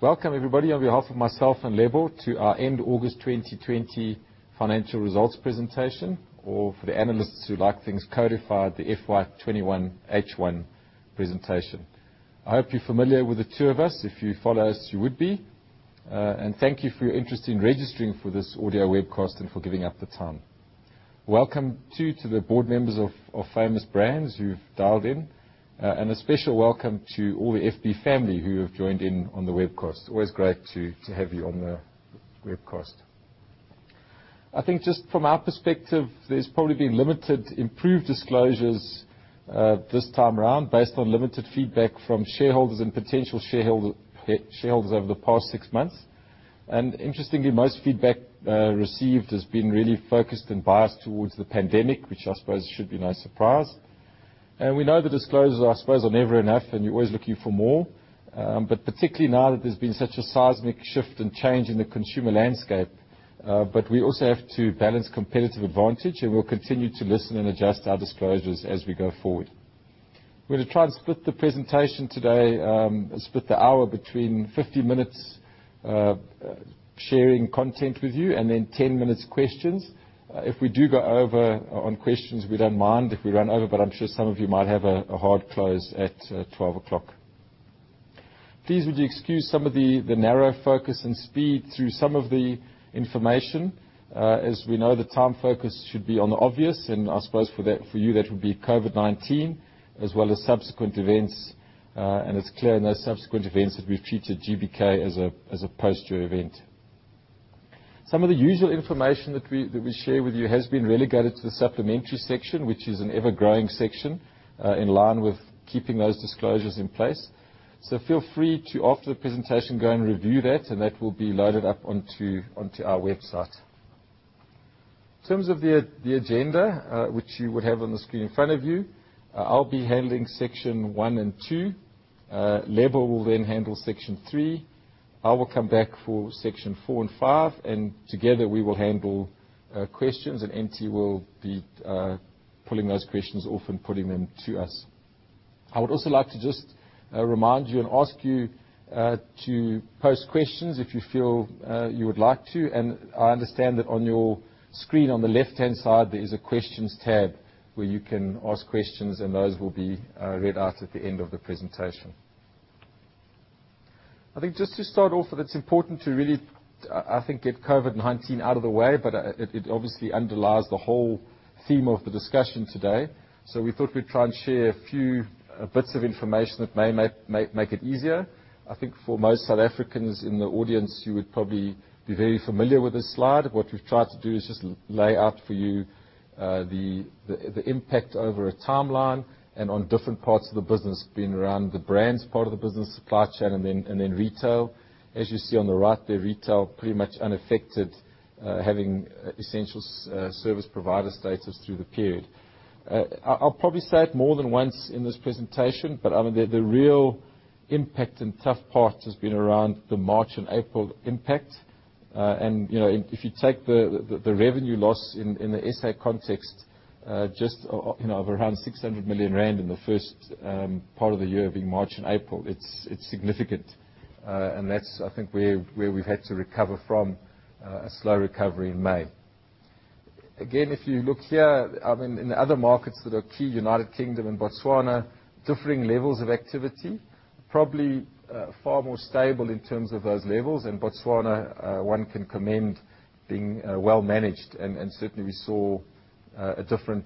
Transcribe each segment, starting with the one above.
Welcome everybody, on behalf of myself and Lebo, to our end August 2020 financial results presentation, or for the analysts who like things codified, the FY 2021 H1 presentation. I hope you're familiar with the two of us. If you follow us, you would be. Thank you for your interest in registering for this audio webcast and for giving up the time. Welcome, too, to the board members of Famous Brands who've dialed in, and a special welcome to all the FB family who have joined in on the webcast. Always great to have you on the webcast. I think just from our perspective, there's probably been limited improved disclosures this time around, based on limited feedback from shareholders and potential shareholders over the past six months. Interestingly, most feedback received has been really focused and biased towards the pandemic, which I suppose should be no surprise. We know the disclosures, I suppose, are never enough, and you're always looking for more. Particularly now that there's been such a seismic shift and change in the consumer landscape. We also have to balance competitive advantage, and we'll continue to listen and adjust our disclosures as we go forward. We're going to try and split the presentation today, split the hour between 50 minutes sharing content with you and then 10 minutes questions. If we do go over on questions, we don't mind if we run over, but I'm sure some of you might have a hard close at 12 o'clock. Please would you excuse some of the narrow focus and speed through some of the information. As we know, the time focus should be on the obvious, and I suppose for you that would be COVID-19 as well as subsequent events. It's clear in those subsequent events that we've treated Gourmet Burger Kitchen as a posterior event. Some of the usual information that we share with you has been relegated to the supplementary section, which is an ever-growing section, in line with keeping those disclosures in place. Feel free to, after the presentation, go and review that, and that will be loaded up onto our website. In terms of the agenda, which you would have on the screen in front of you, I'll be handling section one and two. Lebo will then handle section three. I will come back for section four and five, and together we will handle questions, and Ntando will be pulling those questions off and putting them to us. I would also like to just remind you and ask you to post questions if you feel you would like to, and I understand that on your screen, on the left-hand side, there is a Questions tab where you can ask questions, and those will be read out at the end of the presentation. I think just to start off with, it's important to really, I think, get COVID-19 out of the way, but it obviously underlies the whole theme of the discussion today. We thought we'd try and share a few bits of information that may make it easier. I think for most South Africans in the audience, you would probably be very familiar with this slide. What we've tried to do is just lay out for you the impact over a timeline and on different parts of the business, being around the brands part of the business supply chain, and then retail. As you see on the right there, retail pretty much unaffected, having essential service provider status through the period. The real impact and tough part has been around the March and April impact. If you take the revenue loss in the SA context of around 600 million rand in the first part of the year, being March and April, it's significant. That's, I think, where we've had to recover from a slow recovery in May. Again, if you look here, in the other markets that are key, U.K. and Botswana, differing levels of activity. Probably far more stable in terms of those levels. In Botswana, one can commend being well managed, and certainly we saw a different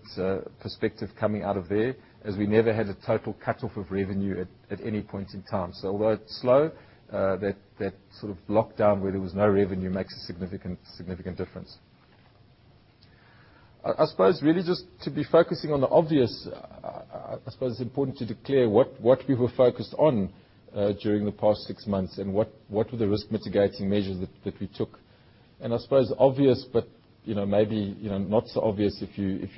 perspective coming out of there, as we never had a total cut-off of revenue at any point in time. Although it's slow, that lockdown where there was no revenue makes a significant difference. I suppose really just to be focusing on the obvious, I suppose it's important to declare what we were focused on during the past six months and what were the risk mitigating measures that we took. I suppose obvious, but maybe not so obvious if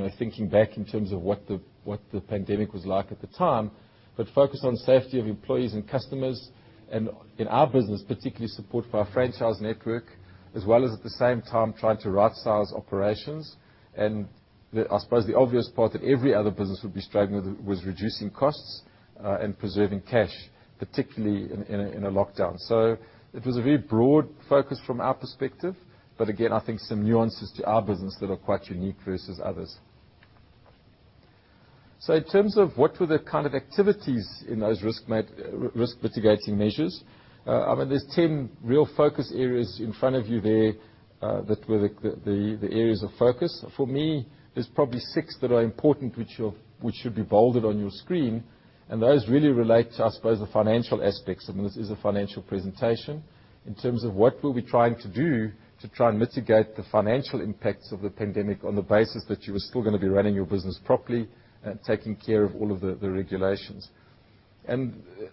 you're thinking back in terms of what the pandemic was like at the time, but focus on safety of employees and customers and, in our business particularly, support for our franchise network, as well as at the same time trying to rightsize operations. I suppose the obvious part that every other business would be struggling with was reducing costs and preserving cash, particularly in a lockdown. It was a very broad focus from our perspective, but again, I think some nuances to our business that are quite unique versus others. In terms of what were the kind of activities in those risk mitigating measures, there's 10 real focus areas in front of you there that were the areas of focus. For me, there's probably six that are important, which should be bolded on your screen, and those really relate to, I suppose, the financial aspects, and this is a financial presentation, in terms of what were we trying to do to try and mitigate the financial impacts of the pandemic on the basis that you were still going to be running your business properly and taking care of all of the regulations.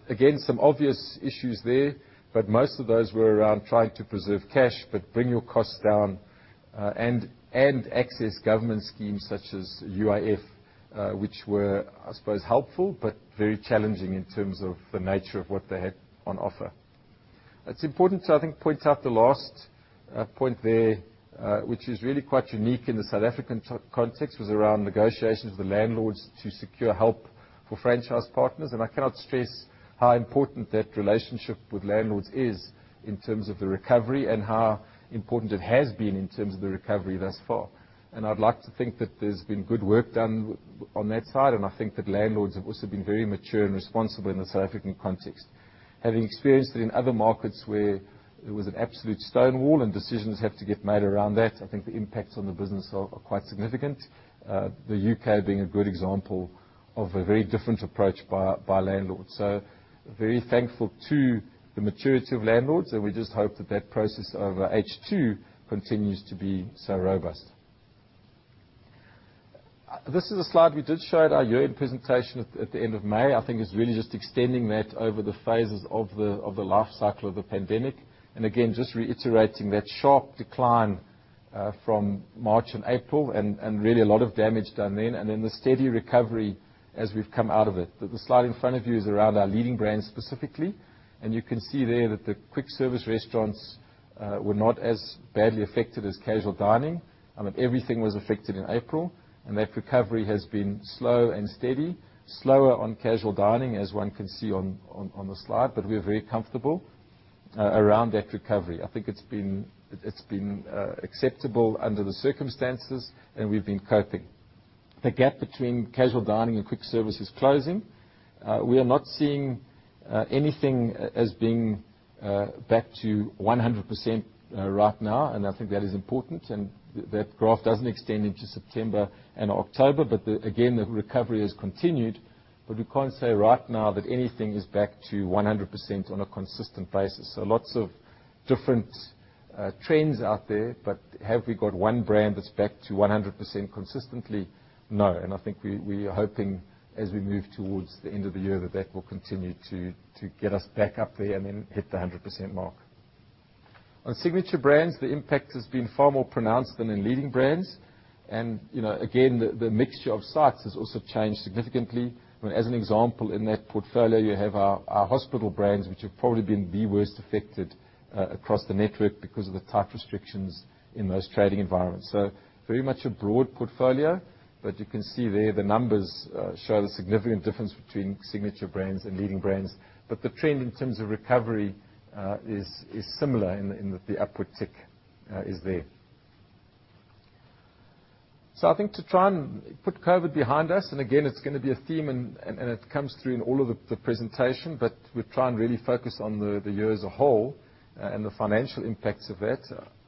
Again, some obvious issues there, but most of those were around trying to preserve cash, but bring your costs down, and access government schemes such as Unemployment Insurance Fund, which were, I suppose, helpful, but very challenging in terms of the nature of what they had on offer. It's important to, I think, point out the last point there, which is really quite unique in the South African context, was around negotiations with the landlords to secure help for franchise partners. I cannot stress how important that relationship with landlords is in terms of the recovery and how important it has been in terms of the recovery thus far. I'd like to think that there's been good work done on that side, and I think that landlords have also been very mature and responsible in the South African context. Having experienced it in other markets where it was an absolute stonewall and decisions have to get made around that, I think the impacts on the business are quite significant, the U.K. being a good example of a very different approach by landlords. Very thankful to the maturity of landlords, and we just hope that that process over H2 continues to be so robust. This is a slide we did show at our year-end presentation at the end of May. I think it's really just extending that over the phases of the life cycle of the pandemic. Just reiterating that sharp decline from March and April and really a lot of damage done then, and then the steady recovery as we've come out of it. The slide in front of you is around our Leading Brands specifically. You can see there that the quick service restaurants were not as badly affected as casual dining. I mean, everything was affected in April. That recovery has been slow and steady, slower on casual dining, as one can see on the slide. We are very comfortable around that recovery. I think it's been acceptable under the circumstances and we've been coping. The gap between casual dining and quick service is closing. We are not seeing anything as being back to 100% right now. I think that is important. That graph doesn't extend into September and October. Again, the recovery has continued. We can't say right now that anything is back to 100% on a consistent basis. Lots of different trends out there. Have we got one brand that's back to 100% consistently? No. I think we are hoping, as we move towards the end of the year, that that will continue to get us back up there and then hit the 100% mark. On Signature Brands, the impact has been far more pronounced than in Leading Brands. Again, the mixture of sites has also changed significantly. As an example, in that portfolio, you have our hospital brands, which have probably been the worst affected across the network because of the tight restrictions in those trading environments. Very much a broad portfolio, but you can see there the numbers show the significant difference between Signature Brands and Leading Brands. The trend in terms of recovery is similar in that the upward tick is there. I think to try and put COVID behind us, and again, it's going to be a theme and it comes through in all of the presentation, we try and really focus on the year as a whole and the financial impacts of that.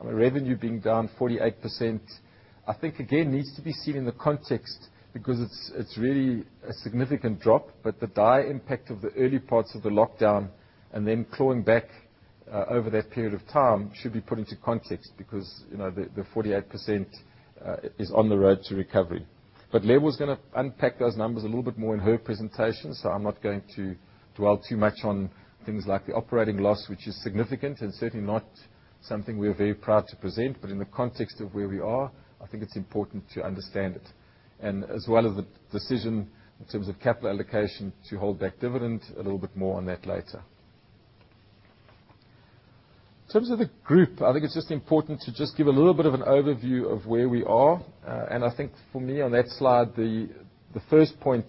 Revenue being down 48%, I think, again, needs to be seen in the context because it's really a significant drop, but the dire impact of the early parts of the lockdown and then clawing back over that period of time should be put into context because the 48% is on the road to recovery. Lebo's going to unpack those numbers a little bit more in her presentation, so I'm not going to dwell too much on things like the operating loss, which is significant and certainly not something we're very proud to present. In the context of where we are, I think it's important to understand it. As well as the decision in terms of capital allocation to hold back dividend, a little bit more on that later. In terms of the group, I think it's just important to just give a little bit of an overview of where we are. I think for me, on that slide, the first point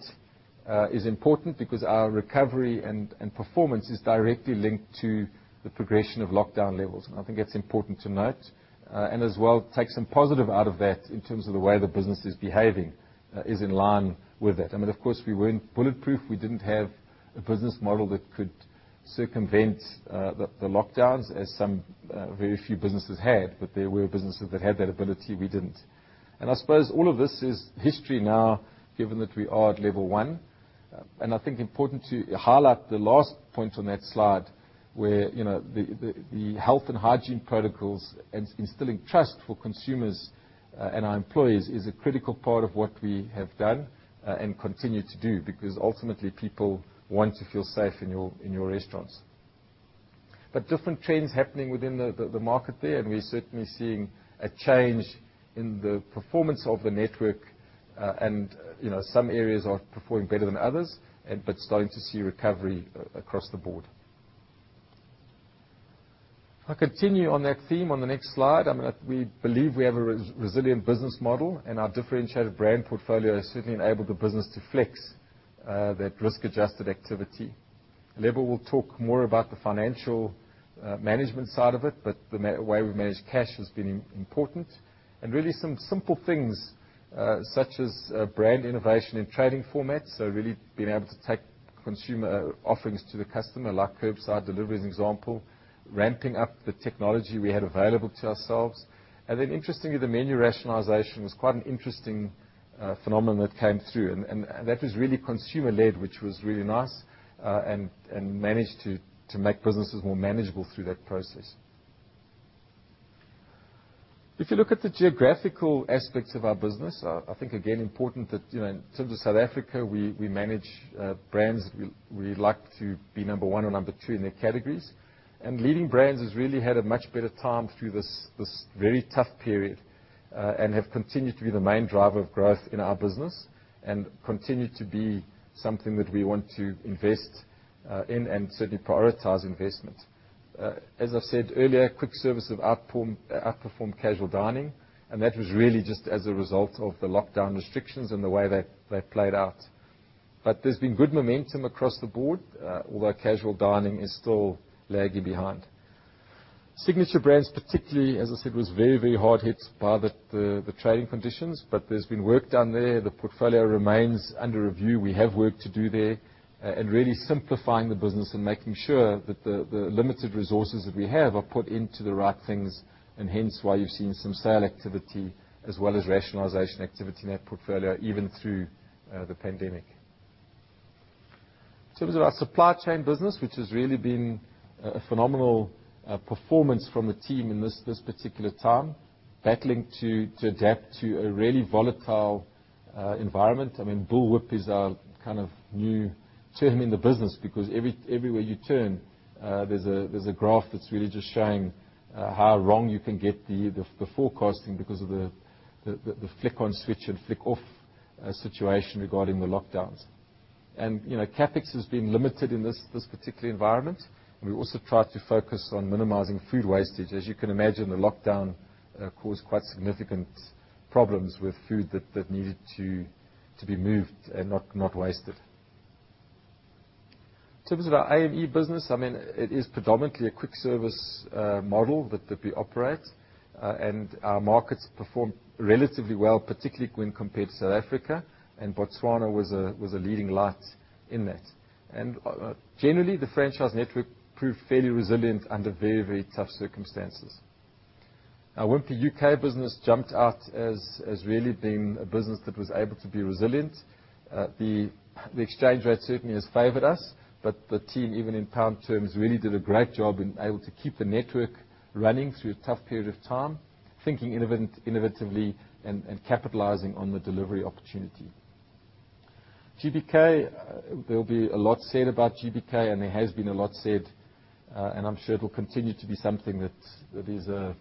is important because our recovery and performance is directly linked to the progression of lockdown levels, and I think that's important to note. As well, take some positive out of that in terms of the way the business is behaving, is in line with that. I mean, of course, we weren't bulletproof. We didn't have a business model that could circumvent the lockdowns as some very few businesses had, but there were businesses that had that ability. We didn't. I suppose all of this is history now, given that we are at level one. I think important to highlight the last point on that slide, where the health and hygiene protocols and instilling trust for consumers and our employees is a critical part of what we have done and continue to do, because ultimately, people want to feel safe in your restaurants. Different trends happening within the market there, and we're certainly seeing a change in the performance of the network, and some areas are performing better than others, but starting to see recovery across the board. I continue on that theme on the next slide. We believe we have a resilient business model, and our differentiated brand portfolio has certainly enabled the business to flex that risk-adjusted activity. Lebo will talk more about the financial management side of it, but the way we manage cash has been important. Really some simple things, such as brand innovation and trading formats, really being able to take consumer offerings to the customer, like curbside delivery, as an example, ramping up the technology we had available to ourselves. Interestingly, the menu rationalization was quite an interesting phenomenon that came through, that was really consumer-led, which was really nice, managed to make businesses more manageable through that process. If you look at the geographical aspects of our business, I think, again, important that in terms of South Africa, we manage brands we like to be number one or number two in their categories. Leading Brands has really had a much better time through this very tough period. They have continued to be the main driver of growth in our business, and continue to be something that we want to invest in and certainly prioritize investment. As I said earlier, quick service have outperformed casual dining, and that was really just as a result of the lockdown restrictions and the way that they played out. There's been good momentum across the board, although casual dining is still lagging behind. Signature Brands, particularly, as I said, was very hard hit by the trading conditions, but there's been work done there. The portfolio remains under review. We have work to do there in really simplifying the business and making sure that the limited resources that we have are put into the right things, hence why you've seen some sale activity as well as rationalization activity in that portfolio, even through the pandemic. In terms of our supply chain business, which has really been a phenomenal performance from the team in this particular time, battling to adapt to a really volatile environment. Bullwhip is our new term in the business because everywhere you turn, there's a graph that's really just showing how wrong you can get the forecasting because of the flick on switch and flick off situation regarding the lockdowns. CapEx has been limited in this particular environment, and we also try to focus on minimizing food wastage. As you can imagine, the lockdown caused quite significant problems with food that needed to be moved and not wasted. In terms of our Acquisitions & Expansions business, it is predominantly a quick service model that we operate. Our markets performed relatively well, particularly when compared to South Africa. Botswana was a leading light in that. Generally, the franchise network proved fairly resilient under very tough circumstances. Our Wimpy U.K. business jumped out as really being a business that was able to be resilient. The exchange rate certainly has favored us. The team, even in pound terms, really did a great job in able to keep the network running through a tough period of time, thinking innovatively and capitalizing on the delivery opportunity. GBK, there'll be a lot said about GBK, and there has been a lot said, and I'm sure it will continue to be something that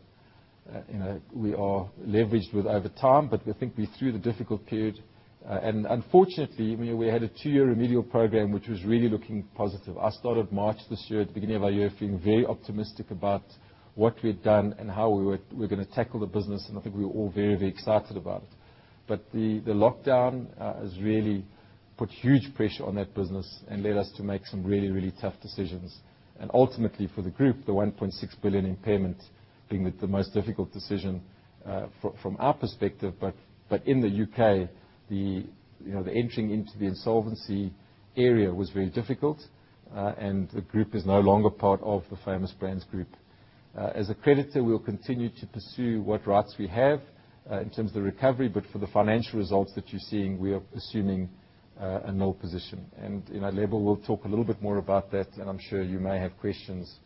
we are leveraged with over time. I think we're through the difficult period. Unfortunately, we had a two-year remedial program, which was really looking positive. I started March this year, at the beginning of our year, feeling very optimistic about what we had done and how we were going to tackle the business, and I think we were all very excited about it. The lockdown has really put huge pressure on that business and led us to make some really tough decisions. Ultimately for the group, the 1.6 billion impairment being the most difficult decision from our perspective. In the U.K., the entering into the insolvency area was very difficult, and the group is no longer part of the Famous Brands group. As a creditor, we'll continue to pursue what rights we have in terms of the recovery, but for the financial results that you're seeing, we are assuming a null position. Lebo will talk a little bit more about that, and I'm sure you may have questions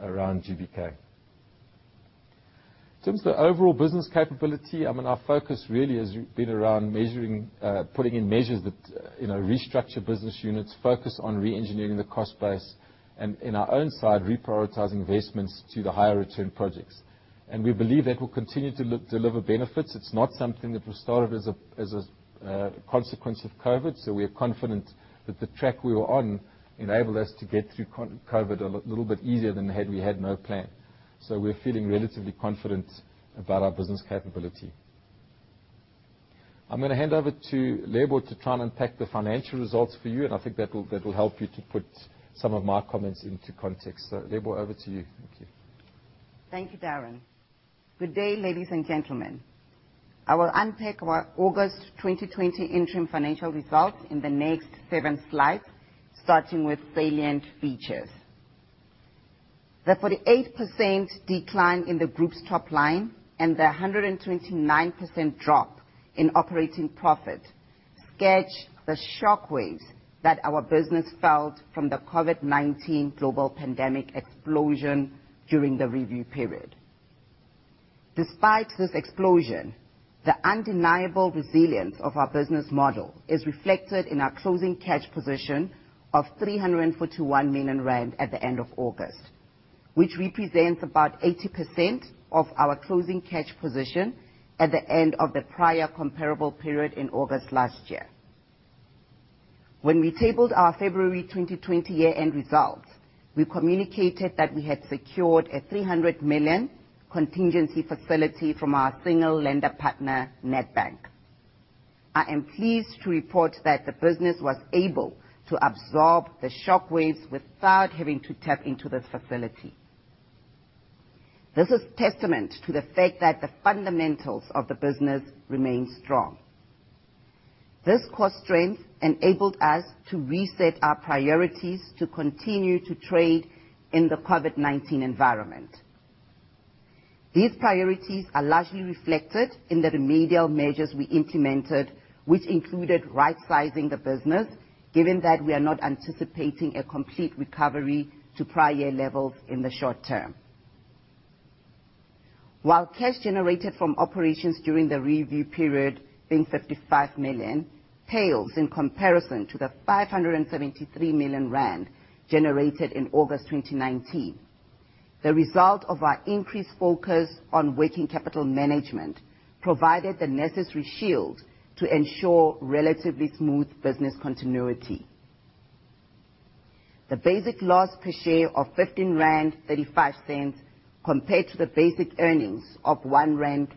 around GBK. In terms of the overall business capability, our focus really has been around putting in measures that restructure business units, focus on re-engineering the cost base, and in our own side, reprioritizing investments to the higher return projects. We believe that will continue to deliver benefits. It's not something that was started as a consequence of COVID. We are confident that the track we were on enabled us to get through COVID a little bit easier than had we had no plan. We are feeling relatively confident about our business capability. I'm going to hand over to Lebo to try and unpack the financial results for you, and I think that will help you to put some of my comments into context. Lebo Ntlha, over to you. Thank you. Thank you, Darren. Good day, ladies and gentlemen. I will unpack our August 2020 interim financial results in the next seven slides, starting with salient features. The 48% decline in the group's top line and the 129% drop in operating profit sketch the shock waves that our business felt from the COVID-19 global pandemic explosion during the review period. Despite this explosion, the undeniable resilience of our business model is reflected in our closing cash position of 341 million rand at the end of August, which represents about 80% of our closing cash position at the end of the prior comparable period in August last year. When we tabled our February 2020 year-end results, we communicated that we had secured a 300 million contingency facility from our single lender partner, Nedbank. I am pleased to report that the business was able to absorb the shock waves without having to tap into this facility. This is testament to the fact that the fundamentals of the business remain strong. This core strength enabled us to reset our priorities to continue to trade in the COVID-19 environment. These priorities are largely reflected in the remedial measures we implemented, which included right-sizing the business, given that we are not anticipating a complete recovery to prior year levels in the short term. While cash generated from operations during the review period, being 55 million, pales in comparison to the 573 million rand generated in August 2019. The result of our increased focus on working capital management provided the necessary shield to ensure relatively smooth business continuity. The basic loss per share of 15.35 rand, compared to the basic earnings of 1.40 rand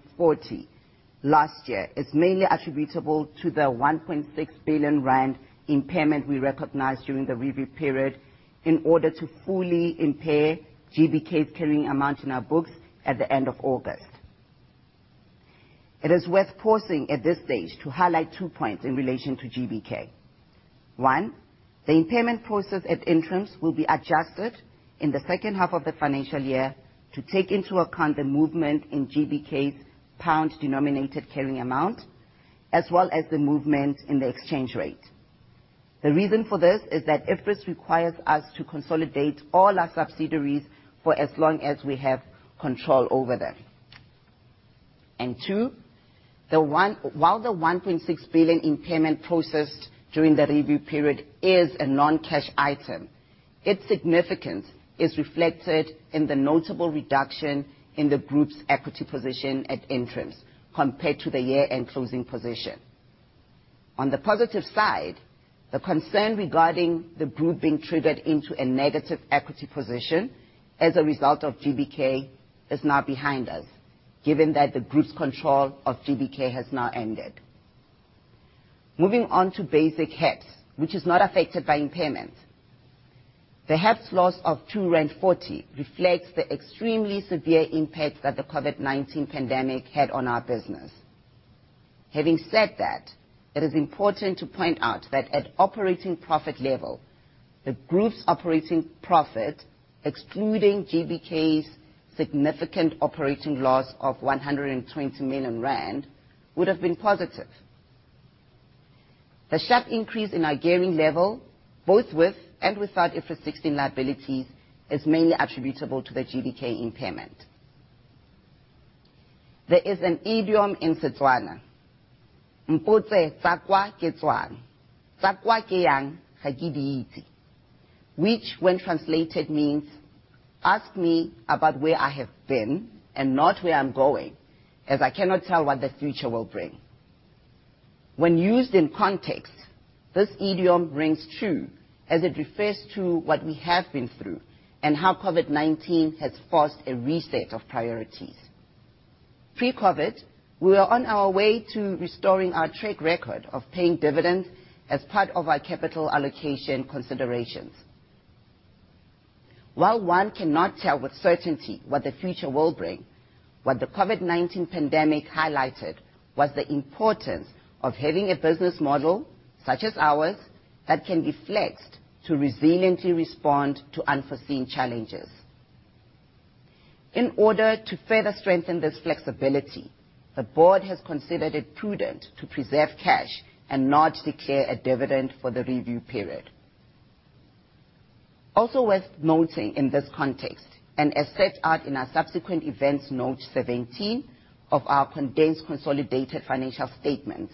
last year, is mainly attributable to the 1.6 billion rand impairment we recognized during the review period in order to fully impair GBK's carrying amount in our books at the end of August. It is worth pausing at this stage to highlight two points in relation to GBK. One, the impairment process at interim will be adjusted in the second half of the financial year to take into account the movement in GBK's GBP-denominated carrying amount, as well as the movement in the exchange rate. The reason for this is that IFRS requires us to consolidate all our subsidiaries for as long as we have control over them. Two, while the 1.6 billion impairment processed during the review period is a non-cash item, its significance is reflected in the notable reduction in the group's equity position at interim compared to the year-end closing position. On the positive side, the concern regarding the group being triggered into a negative equity position as a result of GBK is now behind us, given that the group's control of GBK has now ended. Moving on to basic headline earnings per share, which is not affected by impairment. The HEPS loss of 2.40 reflects the extremely severe impact that the COVID-19 pandemic had on our business. Having said that, it is important to point out that at operating profit level, the group's operating profit, excluding GBK's significant operating loss of 120 million rand, would have been positive. The sharp increase in our gearing level, both with and without IFRS 16 liabilities, is mainly attributable to the GBK impairment. There is an idiom in Setswana, which when translated, means, "Ask me about where I have been and not where I'm going, as I cannot tell what the future will bring." When used in context, this idiom rings true as it refers to what we have been through and how COVID-19 has forced a reset of priorities. Pre-COVID, we were on our way to restoring our track record of paying dividends as part of our capital allocation considerations. While one cannot tell with certainty what the future will bring, what the COVID-19 pandemic highlighted was the importance of having a business model such as ours that can be flexed to resiliently respond to unforeseen challenges. In order to further strengthen this flexibility, the board has considered it prudent to preserve cash and not declare a dividend for the review period. Also worth noting in this context, and as set out in our subsequent events, note 17 of our condensed consolidated financial statement,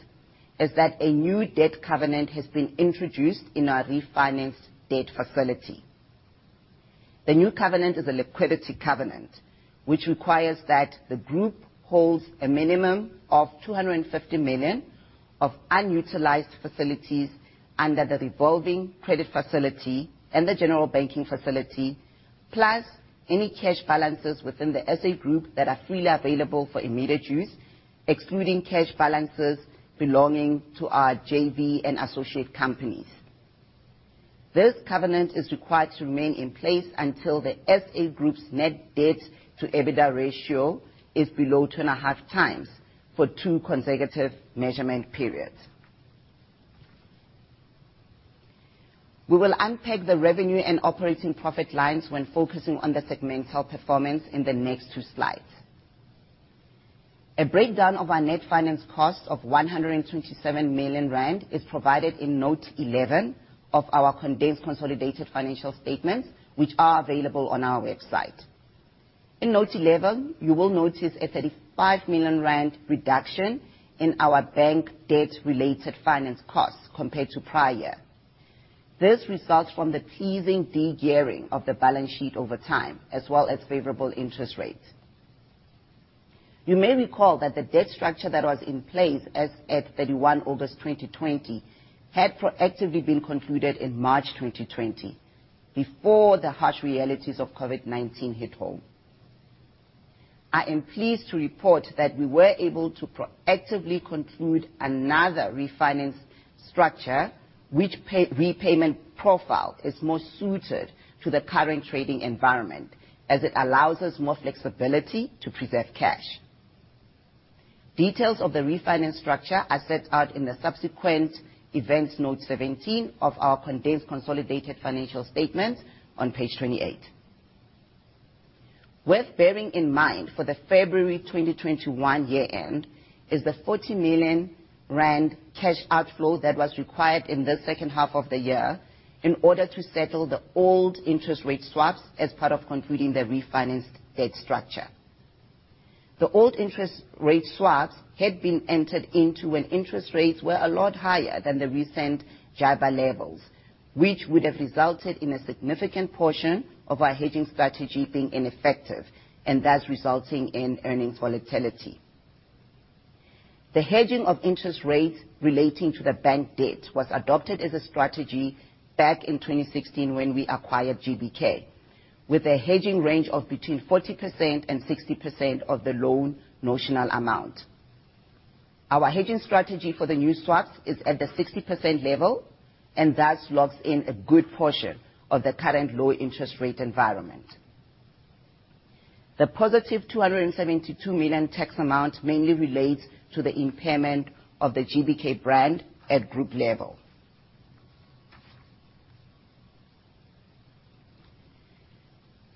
is that a new debt covenant has been introduced in our refinanced debt facility. The new covenant is a liquidity covenant, which requires that the group holds a minimum of 250 million of unutilized facilities under the revolving credit facility and the general banking facility, plus any cash balances within the SA Group that are freely available for immediate use, excluding cash balances belonging to our joint venture and associate companies. This covenant is required to remain in place until the SA Group's Net Debt to EBITDA ratio is below two and a half times for two consecutive measurement periods. We will unpack the revenue and operating profit lines when focusing on the segmental performance in the next two slides. A breakdown of our net finance cost of 127 million rand is provided in note 11 of our condensed consolidated financial statements, which are available on our website. In note 11, you will notice a 35 million rand reduction in our bank debt-related finance costs compared to prior. This results from the phasing de-gearing of the balance sheet over time, as well as favorable interest rates. You may recall that the debt structure that was in place as at 31 August 2020 had proactively been concluded in March 2020, before the harsh realities of COVID-19 hit home. I am pleased to report that we were able to proactively conclude another refinance structure, which repayment profile is more suited to the current trading environment as it allows us more flexibility to preserve cash. Details of the refinance structure are set out in the subsequent events, note 17 of our condensed consolidated financial statement on page 28. Worth bearing in mind for the February 2021 year end is the 40 million rand cash outflow that was required in the second half of the year in order to settle the old interest rate swaps as part of concluding the refinanced debt structure. The old interest rate swaps had been entered into when interest rates were a lot higher than the recent Johannesburg Interbank Average Rate levels, which would have resulted in a significant portion of our hedging strategy being ineffective, and thus resulting in earnings volatility. The hedging of interest rates relating to the bank debt was adopted as a strategy back in 2016 when we acquired GBK, with a hedging range of between 40% and 60% of the loan notional amount. Our hedging strategy for the new swaps is at the 60% level, and thus locks in a good portion of the current low interest rate environment. The positive 272 million tax amount mainly relates to the impairment of the GBK brand at group level.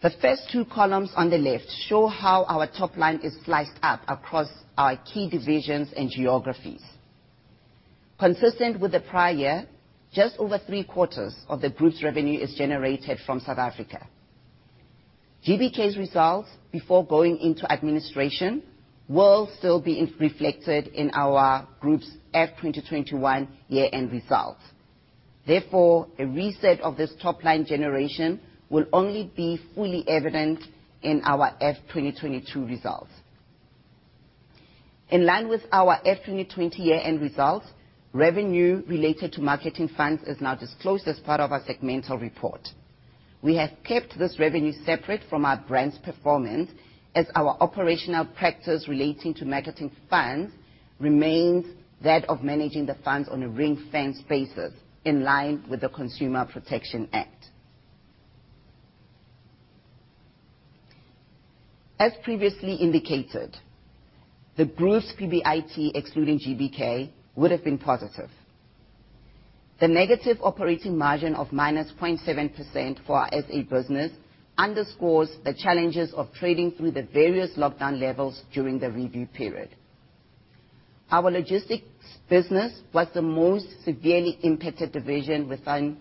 The first two columns on the left show how our top line is sliced up across our key divisions and geographies. Consistent with the prior year, just over three quarters of the group's revenue is generated from South Africa. GBK's results before going into administration will still be reflected in our group's FY 2021 year-end results. Therefore, a reset of this top-line generation will only be fully evident in our FY 2022 results. In line with our FY 2020 year-end results, revenue related to marketing funds is now disclosed as part of our segmental report. We have kept this revenue separate from our brand's performance, as our operational practice relating to marketing funds remains that of managing the funds on a ring-fence basis in line with the Consumer Protection Act. As previously indicated, the group's profit before interest and tax, excluding GBK, would've been positive. The negative operating margin of -7% for our SA business underscores the challenges of trading through the various lockdown levels during the review period. Our logistics business was the most severely impacted division within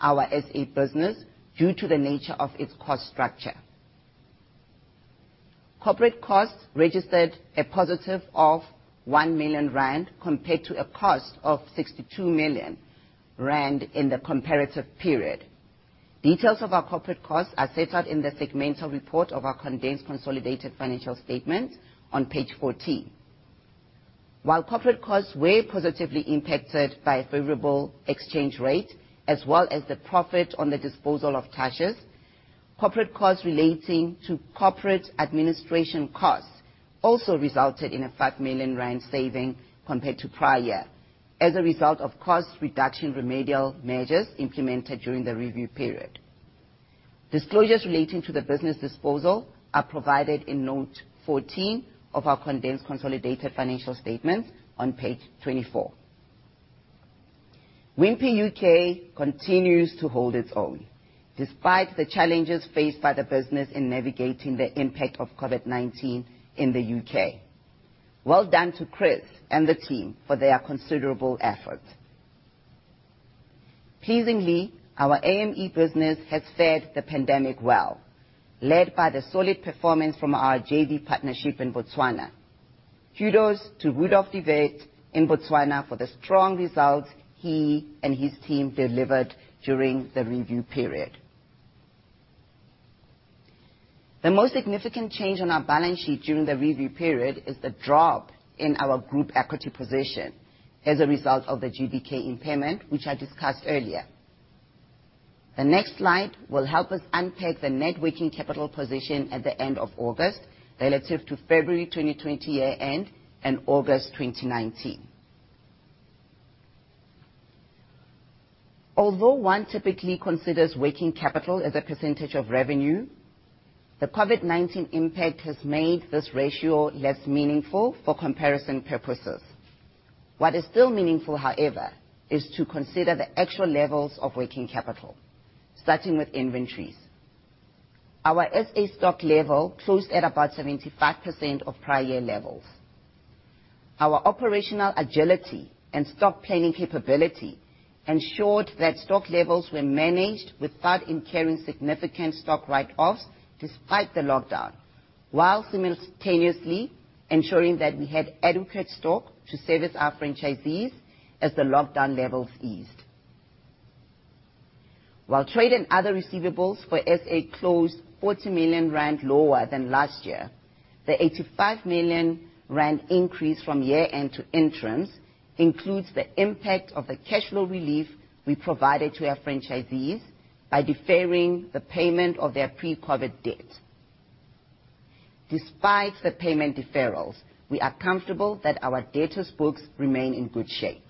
our SA business due to the nature of its cost structure. Corporate costs registered a positive of 1 million rand compared to a cost of 62 million rand in the comparative period. Details of our corporate costs are set out in the segmental report of our condensed consolidated financial statement on page 14. While corporate costs were positively impacted by a favorable exchange rate as well as the profit on the disposal of tashas, corporate costs relating to corporate administration costs also resulted in a 5 million rand saving compared to prior year as a result of cost reduction remedial measures implemented during the review period. Disclosures relating to the business disposal are provided in note 14 of our condensed consolidated financial statement on page 24. Wimpy U.K. continues to hold its own despite the challenges faced by the business in navigating the impact of COVID-19 in the U.K. Well done to Chris and the team for their considerable effort. Pleasingly, our Africa and Middle East business has fared the pandemic well, led by the solid performance from our JV partnership in Botswana. Kudos to Rudolf de Wet in Botswana for the strong results he and his team delivered during the review period. The most significant change on our balance sheet during the review period is the drop in our group equity position as a result of the GBK impairment, which I discussed earlier. The next slide will help us unpack the net working capital position at the end of August relative to February 2020 year-end and August 2019. Although one typically considers working capital as a percentage of revenue, the COVID-19 impact has made this ratio less meaningful for comparison purposes. What is still meaningful, however, is to consider the actual levels of working capital, starting with inventories. Our SA stock level closed at about 75% of prior year levels. Our operational agility and stock planning capability ensured that stock levels were managed without incurring significant stock write-offs despite the lockdown, while simultaneously ensuring that we had adequate stock to service our franchisees as the lockdown levels eased. While trade and other receivables for SA closed 40 million rand lower than last year, the 85 million rand increase from year-end to interim includes the impact of the cash flow relief we provided to our franchisees by deferring the payment of their pre-COVID-19 debt. Despite the payment deferrals, we are comfortable that our debtors' books remain in good shape.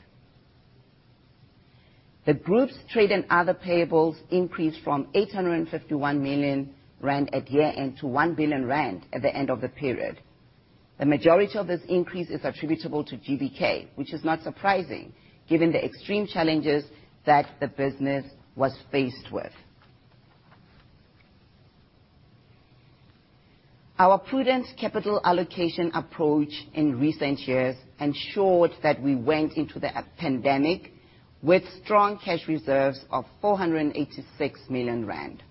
The group's trade and other payables increased from 851 million rand at year-end to 1 billion rand at the end of the period. The majority of this increase is attributable to GBK, which is not surprising given the extreme challenges that the business was faced with. Our prudent capital allocation approach in recent years ensured that we went into the pandemic with strong cash reserves of 486 million rand.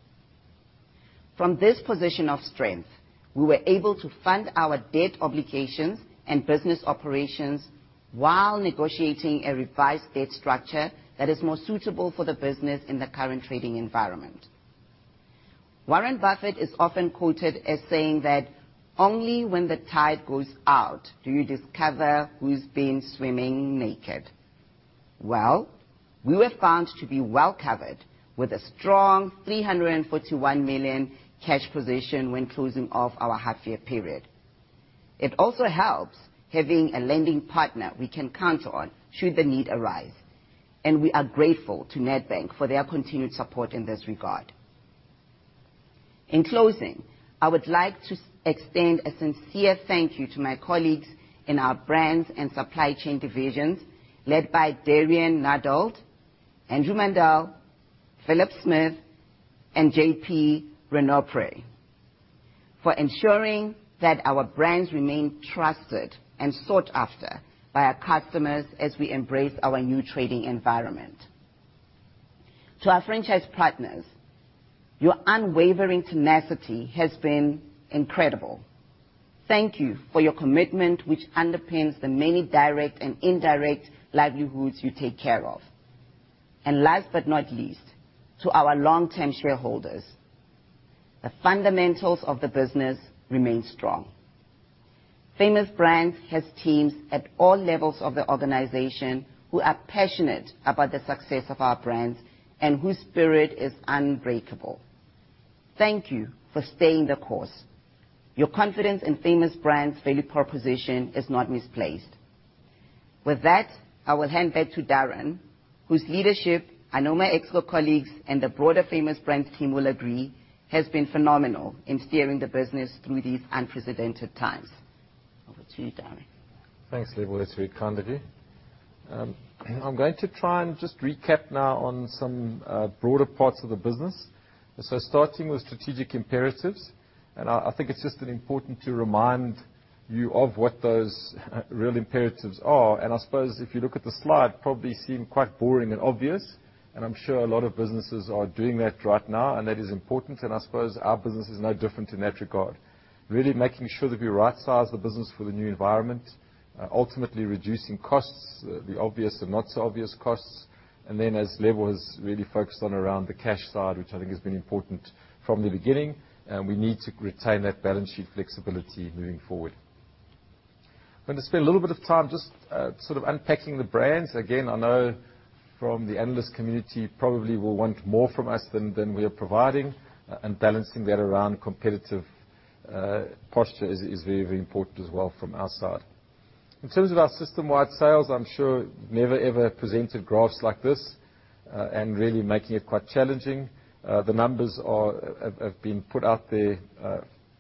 From this position of strength, we were able to fund our debt obligations and business operations while negotiating a revised debt structure that is more suitable for the business in the current trading environment. Warren Buffett is often quoted as saying that, "Only when the tide goes out do you discover who's been swimming naked." Well, we were found to be well-covered with a strong 341 million cash position when closing off our half year period. It also helps having a lending partner we can count on should the need arise, and we are grateful to Nedbank for their continued support in this regard. In closing, I would like to extend a sincere thank you to my colleagues in our brands and supply chain divisions, led by Derrian Nadauld, Andrew Mundell, Philip Smith, and Jean-Paul Renouprez, for ensuring that our brands remain trusted and sought after by our customers as we embrace our new trading environment. To our franchise partners, your unwavering tenacity has been incredible. Thank you for your commitment, which underpins the many direct and indirect livelihoods you take care of. Last but not least, to our long-term shareholders, the fundamentals of the business remain strong. Famous Brands has teams at all levels of the organization who are passionate about the success of our brands and whose spirit is unbreakable. Thank you for staying the course. Your confidence in Famous Brands' value proposition is not misplaced. I will hand back to Darren, whose leadership, I know my ex-colleagues and the broader Famous Brands team will agree, has been phenomenal in steering the business through these unprecedented times. Over to you, Darren. Thanks, Lebo. That's very kind of you. I'm going to try and just recap now on some broader parts of the business. Starting with strategic imperatives, I think it's just important to remind you of what those real imperatives are. I suppose if you look at the slide, probably seem quite boring and obvious, I'm sure a lot of businesses are doing that right now, that is important. I suppose our business is no different in that regard. Really making sure that we right-size the business for the new environment, ultimately reducing costs, the obvious and not so obvious costs. As Lebo has really focused on around the cash side, which I think has been important from the beginning, we need to retain that balance sheet flexibility moving forward. I'm going to spend a little bit of time just sort of unpacking the brands. I know from the analyst community, probably will want more from us than we are providing. Balancing that around competitive posture is very, very important as well from our side. In terms of our system-wide sales, I'm sure never, ever presented graphs like this, and really making it quite challenging. The numbers have been put out there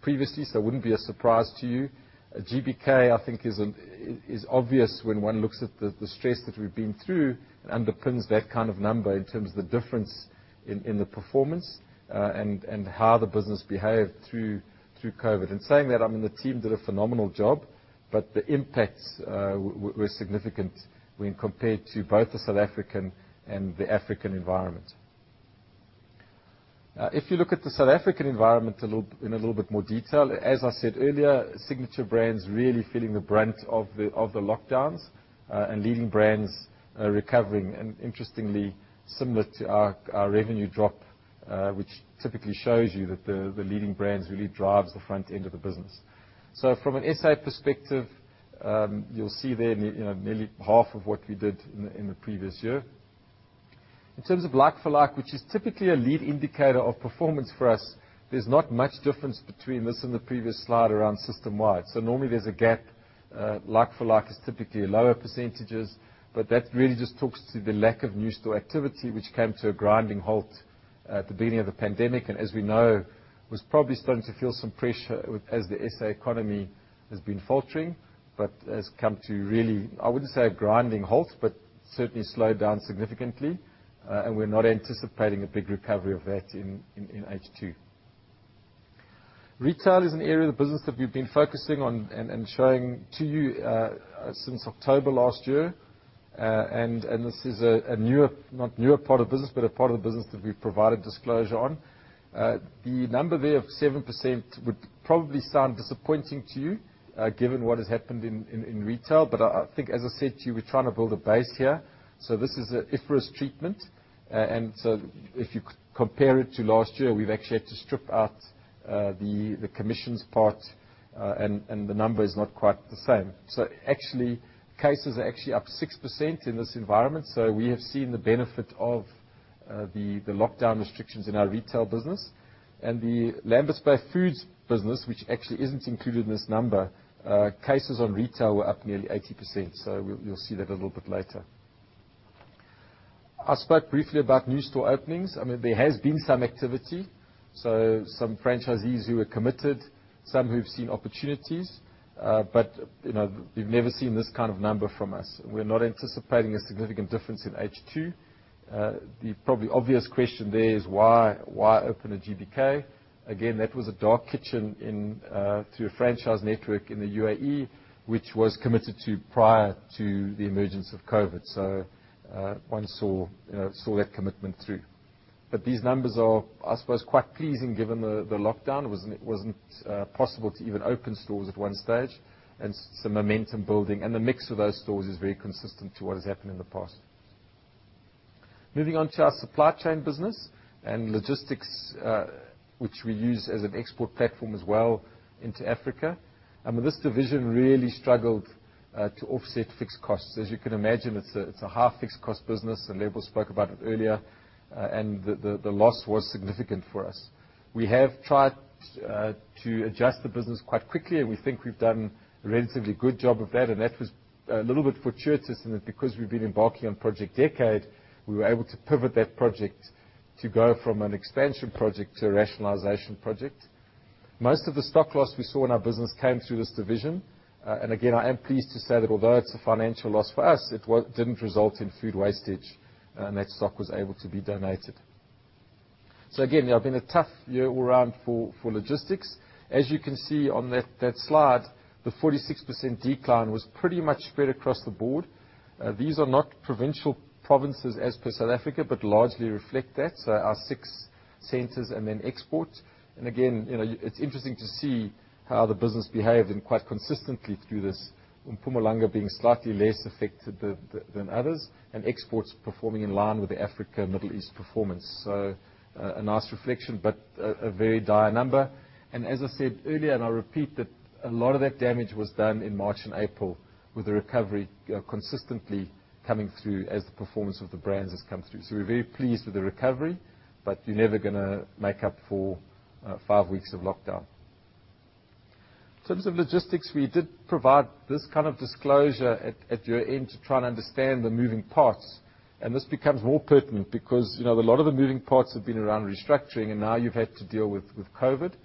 previously. It wouldn't be a surprise to you. GBK, I think is obvious when one looks at the stress that we've been through and underpins that kind of number in terms of the difference in the performance, and how the business behaved through COVID-19. In saying that, I mean, the team did a phenomenal job. The impacts were significant when compared to both the South African and the African environment. If you look at the South African environment in a little bit more detail, as I said earlier, Signature Brands really feeling the brunt of the lockdowns, and Leading Brands recovering. Interestingly, similar to our revenue drop, which typically shows you that the Leading Brands really drives the front end of the business. From an SA perspective, you'll see there nearly half of what we did in the previous year. In terms of like-for-like, which is typically a lead indicator of performance for us, there's not much difference between this and the previous slide around system-wide. Normally there's a gap. Like-for-like is typically lower percentages, that really just talks to the lack of new store activity, which came to a grinding halt at the beginning of the pandemic. As we know, was probably starting to feel some pressure as the SA economy has been faltering, but has come to really, I wouldn't say a grinding halt, but certainly slowed down significantly. We're not anticipating a big recovery of that in H2. Retail is an area of the business that we've been focusing on and showing to you since October last year. This is a newer not newer part of the business, but a part of the business that we've provided disclosure on. The number there of 7% would probably sound disappointing to you, given what has happened in retail. I think, as I said to you, we're trying to build a base here. This is an IFRS treatment. If you compare it to last year, we've actually had to strip out the commissions part, and the number is not quite the same. Actually, cases are actually up 6% in this environment. We have seen the benefit of the lockdown restrictions in our retail business. The Lamberts Bay Foods business, which actually isn't included in this number, cases on retail were up nearly 80%. You'll see that a little bit later. I spoke briefly about new store openings. I mean, there has been some activity, some franchisees who are committed, some who've seen opportunities, we've never seen this kind of number from us. We're not anticipating a significant difference in H2. The probably obvious question there is why open a GBK? That was a dark kitchen through a franchise network in the U.A.E., which was committed to prior to the emergence of COVID-19. One saw that commitment through. These numbers are, I suppose, quite pleasing given the lockdown. It wasn't possible to even open stores at one stage, and some momentum building, and the mix of those stores is very consistent to what has happened in the past. Moving on to our supply chain business and logistics, which we use as an export platform as well into Africa. This division really struggled to offset fixed costs. As you can imagine, it's a half-fixed cost business, and Lebo spoke about it earlier, and the loss was significant for us. We have tried to adjust the business quite quickly, and we think we've done a relatively good job of that, and that was a little bit fortuitous in that because we'd been embarking on Project Decade, we were able to pivot that project to go from an expansion project to a rationalization project. Most of the stock loss we saw in our business came through this division. Again, I am pleased to say that although it's a financial loss for us, it didn't result in food wastage. That stock was able to be donated. Again, it's been a tough year all around for logistics. As you can see on that slide, the 46% decline was pretty much spread across the board. These are not provincial provinces as per South Africa, but largely reflect that. Our six centers and then exports. Again, it's interesting to see how the business behaved and quite consistently through this. Mpumalanga being slightly less affected than others, and exports performing in line with the Africa and Middle East performance. A nice reflection, but a very dire number. As I said earlier, and I repeat that a lot of that damage was done in March and April with the recovery consistently coming through as the performance of the brands has come through. We're very pleased with the recovery, but you're never going to make up for five weeks of lockdown. In terms of logistics, we did provide this kind of disclosure at your end to try and understand the moving parts. This becomes more pertinent because a lot of the moving parts have been around restructuring, and now you've had to deal with COVID-19.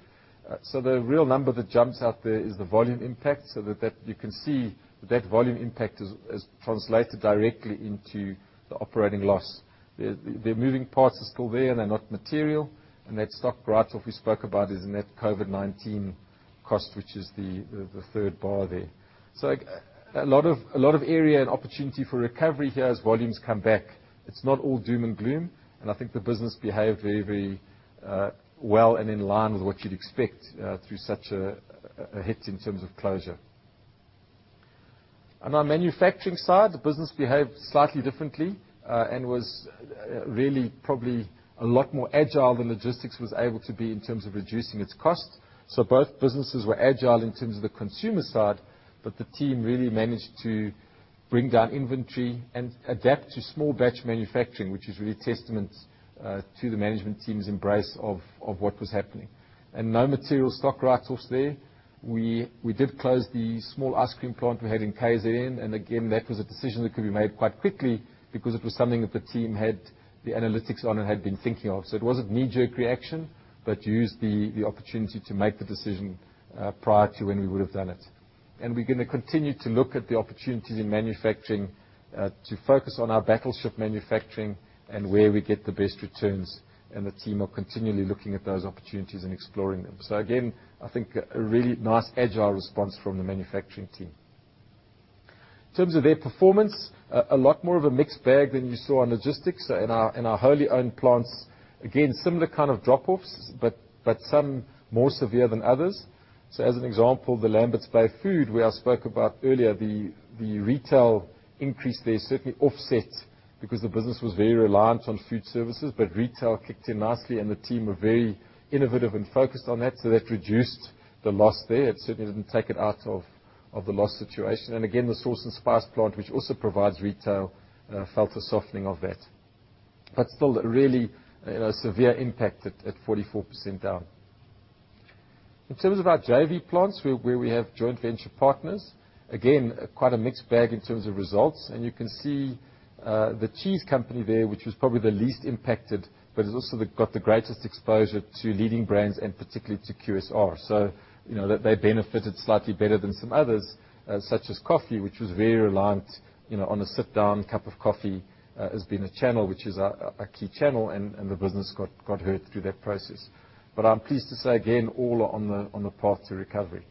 The real number that jumps out there is the volume impact, so that you can see that volume impact has translated directly into the operating loss. The moving parts are still there, they're not material. That stock write-off we spoke about is a net COVID-19 cost, which is the third bar there. A lot of area and opportunity for recovery here as volumes come back. It's not all doom and gloom, and I think the business behaved very well and in line with what you'd expect through such a hit in terms of closure. On our manufacturing side, the business behaved slightly differently and was really probably a lot more agile than logistics was able to be in terms of reducing its cost. Both businesses were agile in terms of the consumer side, but the team really managed to bring down inventory and adapt to small batch manufacturing, which is really a testament to the management team's embrace of what was happening. No material stock write-offs there. We did close the small ice cream plant we had in KZN, and again, that was a decision that could be made quite quickly because it was something that the team had the analytics on and had been thinking of. It wasn't knee-jerk reaction, but used the opportunity to make the decision prior to when we would have done it. We're going to continue to look at the opportunities in manufacturing to focus on our batch manufacturing and where we get the best returns, and the team are continually looking at those opportunities and exploring them. Again, I think a really nice agile response from the manufacturing team. In terms of their performance, a lot more of a mixed bag than you saw on logistics. In our wholly owned plants, again, similar kind of drop-offs, but some more severe than others. As an example, the Lamberts Bay Foods, where I spoke about earlier, the retail increase there certainly offset because the business was very reliant on food services, but retail kicked in nicely and the team were very innovative and focused on that, so that reduced the loss there. It certainly didn't take it out of the loss situation. Again, the sauce and spice plant, which also provides retail, felt a softening of that. Still a really severe impact at 44% down. In terms of our JV plants, where we have joint venture partners, quite a mixed bag in terms of results. You can see the cheese company there, which was probably the least impacted, but has also got the greatest exposure to Leading Brands and particularly to quick-service restaurant. They benefited slightly better than some others, such as coffee, which was very reliant on a sit-down cup of coffee as being a channel, which is a key channel, and the business got hurt through that process. I'm pleased to say again, all are on the path to recovery.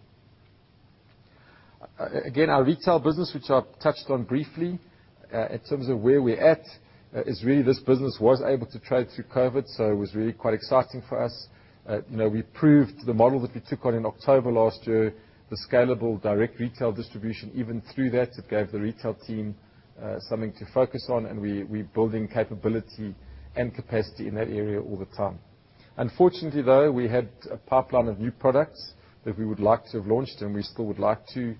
Our retail business, which I touched on briefly, in terms of where we're at, is really this business was able to trade through COVID-19. It was really quite exciting for us. We proved the model that we took on in October last year, the scalable direct retail distribution, even through that, it gave the retail team something to focus on, and we're building capability and capacity in that area all the time. Unfortunately, though, we had a pipeline of new products that we would like to have launched, and we still would like to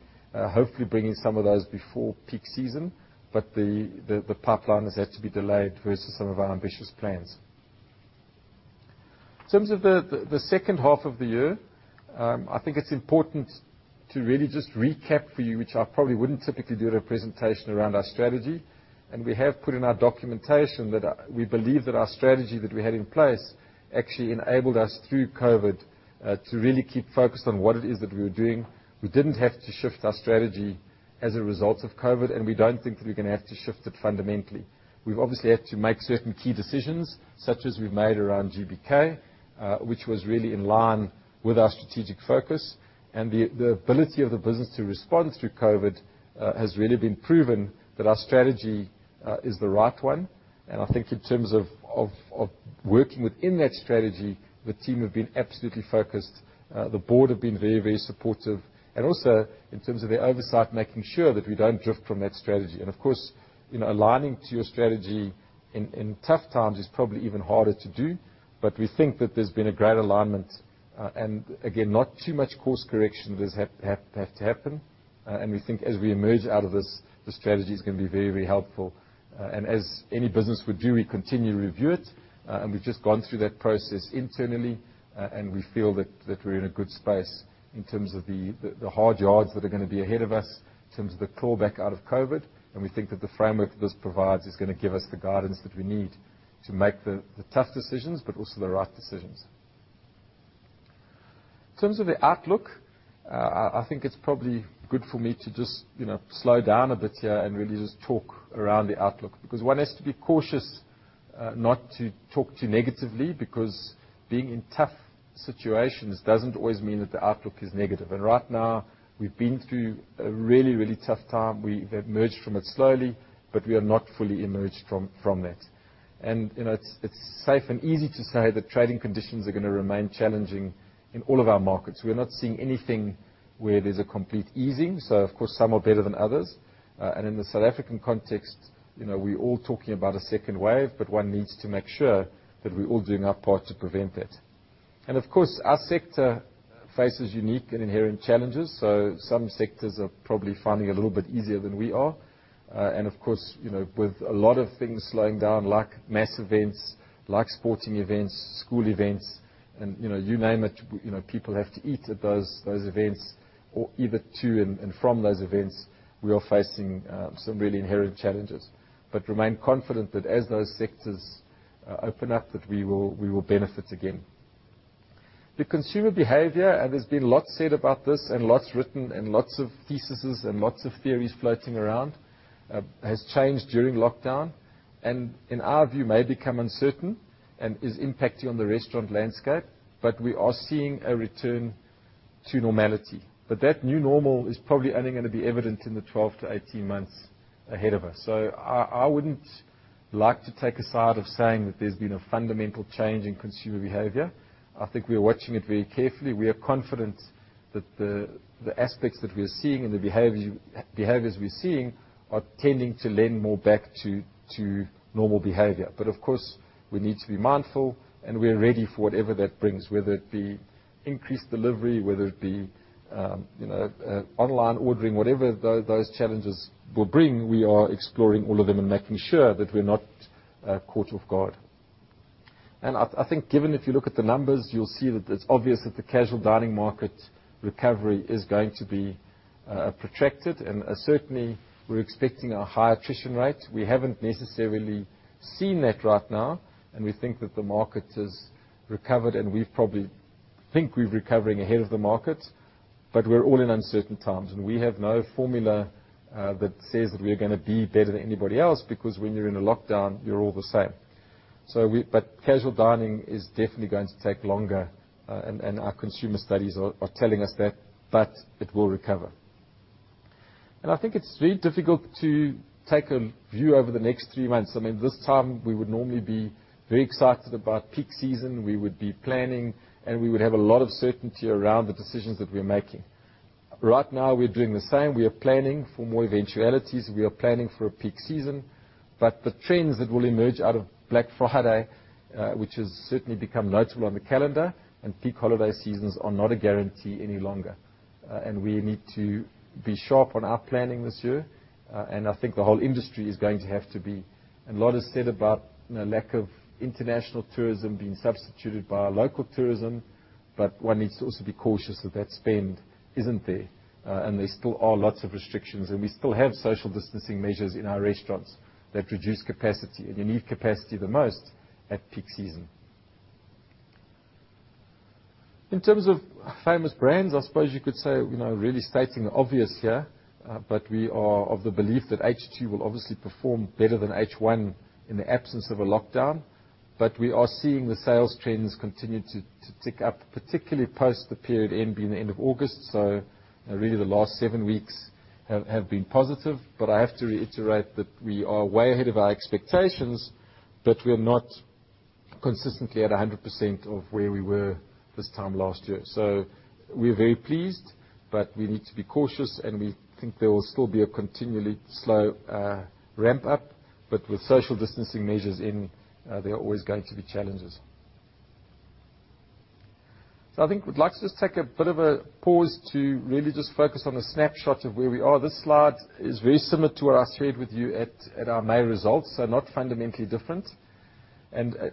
hopefully bring in some of those before peak season. The pipeline has had to be delayed versus some of our ambitious plans. In terms of the second half of the year, I think it's important to really just recap for you, which I probably wouldn't typically do in a presentation around our strategy. We have put in our documentation that we believe that our strategy that we had in place actually enabled us through COVID to really keep focused on what it is that we were doing. We didn't have to shift our strategy as a result of COVID. We don't think that we're going to have to shift it fundamentally. We've obviously had to make certain key decisions, such as we've made around GBK, which was really in line with our strategic focus. The ability of the business to respond through COVID has really been proven that our strategy is the right one. I think in terms of working within that strategy, the team have been absolutely focused. The board have been very, very supportive. Also in terms of their oversight, making sure that we don't drift from that strategy. Of course, aligning to your strategy in tough times is probably even harder to do, but we think that there's been a great alignment. Again, not too much course correction has had to happen. We think as we emerge out of this, the strategy is going to be very, very helpful. As any business would do, we continue to review it. We've just gone through that process internally, and we feel that we're in a good space in terms of the hard yards that are going to be ahead of us in terms of the claw back out of COVID. We think that the framework that this provides is going to give us the guidance that we need to make the tough decisions, but also the right decisions. In terms of the outlook, I think it's probably good for me to just slow down a bit here and really just talk around the outlook, because one has to be cautious not to talk too negatively, because being in tough situations doesn't always mean that the outlook is negative. Right now, we've been through a really tough time. We've emerged from it slowly, but we are not fully emerged from that. It's safe and easy to say that trading conditions are going to remain challenging in all of our markets. We are not seeing anything where there's a complete easing. Of course, some are better than others. In the South African context, we're all talking about a second wave, but one needs to make sure that we're all doing our part to prevent it. Our sector faces unique and inherent challenges, so some sectors are probably finding it a little bit easier than we are. With a lot of things slowing down, like mass events, like sporting events, school events, and you name it, people have to eat at those events or either to and from those events, we are facing some really inherent challenges. Remain confident that as those sectors open up, that we will benefit again. The consumer behavior, and there's been lots said about this and lots written and lots of theses and lots of theories floating around, has changed during lockdown, and in our view, may become uncertain and is impacting on the restaurant landscape. We are seeing a return to normality. That new normal is probably only going to be evident in the 12-18 months ahead of us. I wouldn't like to take a side of saying that there's been a fundamental change in consumer behavior. I think we are watching it very carefully. We are confident that the aspects that we are seeing and the behaviors we're seeing are tending to lend more back to normal behavior. Of course, we need to be mindful, and we are ready for whatever that brings, whether it be increased delivery, whether it be online ordering, whatever those challenges will bring, we are exploring all of them and making sure that we're not caught off guard. I think given if you look at the numbers, you'll see that it's obvious that the casual dining market recovery is going to be protracted, and certainly, we're expecting a higher attrition rate. We haven't necessarily seen that right now, and we think that the market has recovered and we probably think we're recovering ahead of the market, but we're all in uncertain times. We have no formula that says that we're going to be better than anybody else because when you're in a lockdown, you're all the same. Casual dining is definitely going to take longer, and our consumer studies are telling us that, but it will recover. I think it's very difficult to take a view over the next three months. I mean, this time we would normally be very excited about peak season. We would be planning, and we would have a lot of certainty around the decisions that we're making. Right now, we're doing the same. We are planning for more eventualities. We are planning for a peak season. The trends that will emerge out of Black Friday, which has certainly become notable on the calendar, and peak holiday seasons are not a guarantee any longer. We need to be sharp on our planning this year, and I think the whole industry is going to have to be. A lot is said about lack of international tourism being substituted by local tourism, but one needs to also be cautious that that spend isn't there, and there still are lots of restrictions, and we still have social distancing measures in our restaurants that reduce capacity, and you need capacity the most at peak season. In terms of Famous Brands, I suppose you could say, really stating the obvious here, but we are of the belief that H2 will obviously perform better than H1 in the absence of a lockdown. We are seeing the sales trends continue to tick up, particularly post the period end being the end of August. Really the last seven weeks have been positive, but I have to reiterate that we are way ahead of our expectations, but we're not consistently at 100% of where we were this time last year. We're very pleased, but we need to be cautious, and we think there will still be a continually slow ramp-up, but with social distancing measures in, there are always going to be challenges. I think we'd like to just take a bit of a pause to really just focus on a snapshot of where we are. This slide is very similar to what I shared with you at our May results, so not fundamentally different.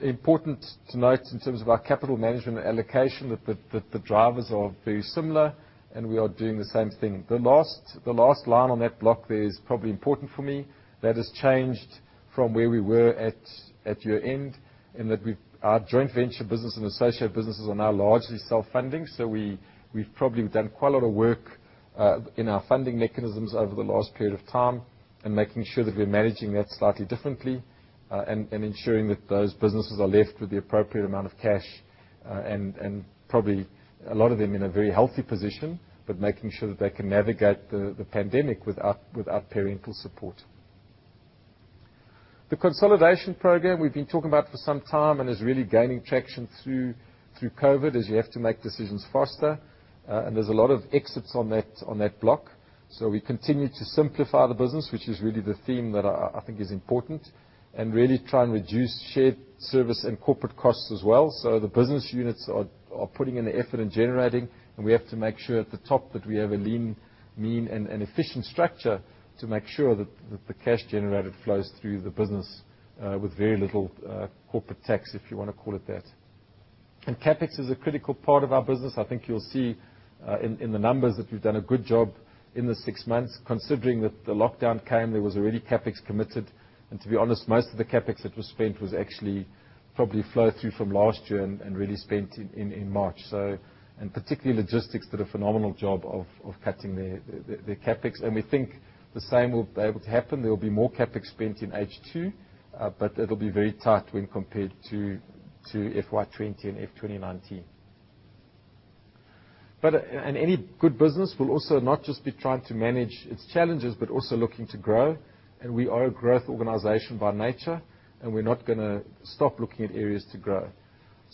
Important to note in terms of our capital management allocation, that the drivers are very similar, and we are doing the same thing. The last line on that block there is probably important for me. That has changed from where we were at year-end, in that our joint venture business and associate businesses are now largely self-funding. We've probably done quite a lot of work in our funding mechanisms over the last period of time and making sure that we're managing that slightly differently. Ensuring that those businesses are left with the appropriate amount of cash, and probably a lot of them in a very healthy position, but making sure that they can navigate the pandemic without parental support. The consolidation program we've been talking about for some time, and is really gaining traction through COVID, as you have to make decisions faster. There's a lot of exits on that block. We continue to simplify the business, which is really the theme that I think is important, and really try and reduce shared service and corporate costs as well. The business units are putting in the effort and generating, and we have to make sure at the top that we have a lean, mean, and efficient structure to make sure that the cash generated flows through the business with very little corporate tax, if you want to call it that. CapEx is a critical part of our business. I think you'll see in the numbers that we've done a good job in the six months, considering that the lockdown came, there was already CapEx committed. To be honest, most of the CapEx that was spent was actually probably flow-through from last year and really spent in March. Particularly logistics did a phenomenal job of cutting their CapEx. We think the same will be able to happen. There will be more CapEx spent in H2, but it'll be very tight when compared to FY 2020 and FY 2019. Any good business will also not just be trying to manage its challenges, but also looking to grow. We are a growth organization by nature, and we're not going to stop looking at areas to grow.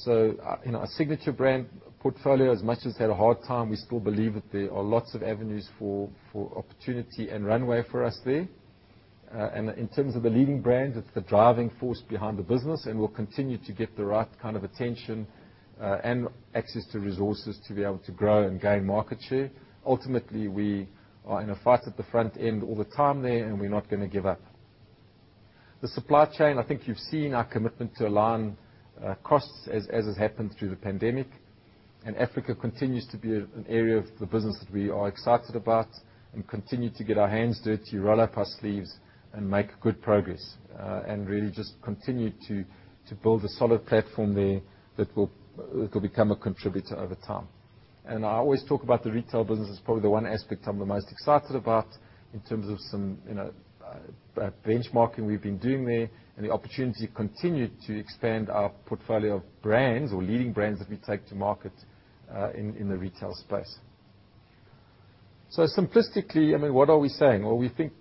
Our Signature Brands portfolio, as much as had a hard time, we still believe that there are lots of avenues for opportunity and runway for us there. In terms of the Leading Brands, it's the driving force behind the business, and will continue to get the right kind of attention, and access to resources to be able to grow and gain market share. Ultimately, we are in a fight at the front end all the time there, and we're not going to give up. The supply chain, I think you've seen our commitment to align costs as has happened through the pandemic. Africa continues to be an area of the business that we are excited about, and continue to get our hands dirty, roll up our sleeves, and make good progress. Really just continue to build a solid platform there that will become a contributor over time. I always talk about the retail business as probably the one aspect I'm the most excited about in terms of some benchmarking we've been doing there, and the opportunity to continue to expand our portfolio of brands or Leading Brands that we take to market in the retail space. Simplistically, what are we saying? We think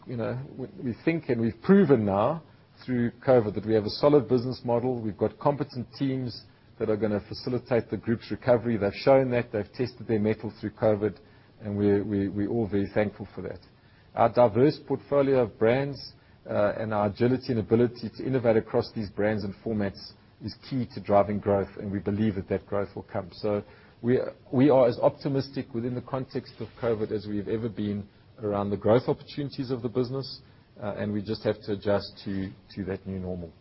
and we've proven now through COVID that we have a solid business model. We've got competent teams that are going to facilitate the group's recovery. They've shown that. They've tested their mettle through COVID, and we're all very thankful for that. Our diverse portfolio of brands, and our agility and ability to innovate across these brands and formats is key to driving growth, and we believe that that growth will come. We are as optimistic within the context of COVID as we've ever been around the growth opportunities of the business, and we just have to adjust to that new normal.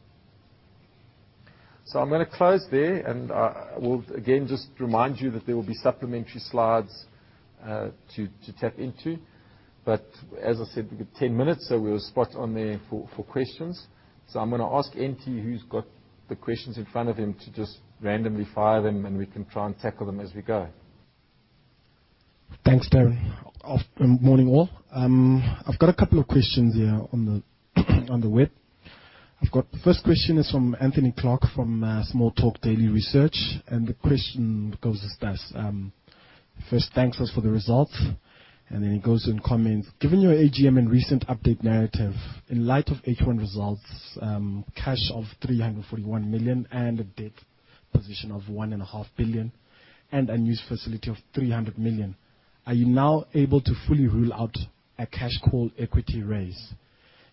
I'm going to close there, and I will again just remind you that there will be supplementary slides to tap into. As I said, we've got 10 minutes, so we're spot on there for questions. I'm going to ask Ntando, who's got the questions in front of him, to just randomly fire them, and we can try and tackle them as we go. Thanks, Darren. Morning, all. I've got a couple of questions here on the web. I've got the first question is from Anthony Clark from Small Talk Daily Research. The question goes as this. First, thanks to us for the results. Then he goes and comments, "Given your Annual General Meeting and recent update narrative, in light of H1 results, cash of 341 million and a debt position of 1.5 billion, and unused facility of 300 million, are you now able to fully rule out a cash call equity raise?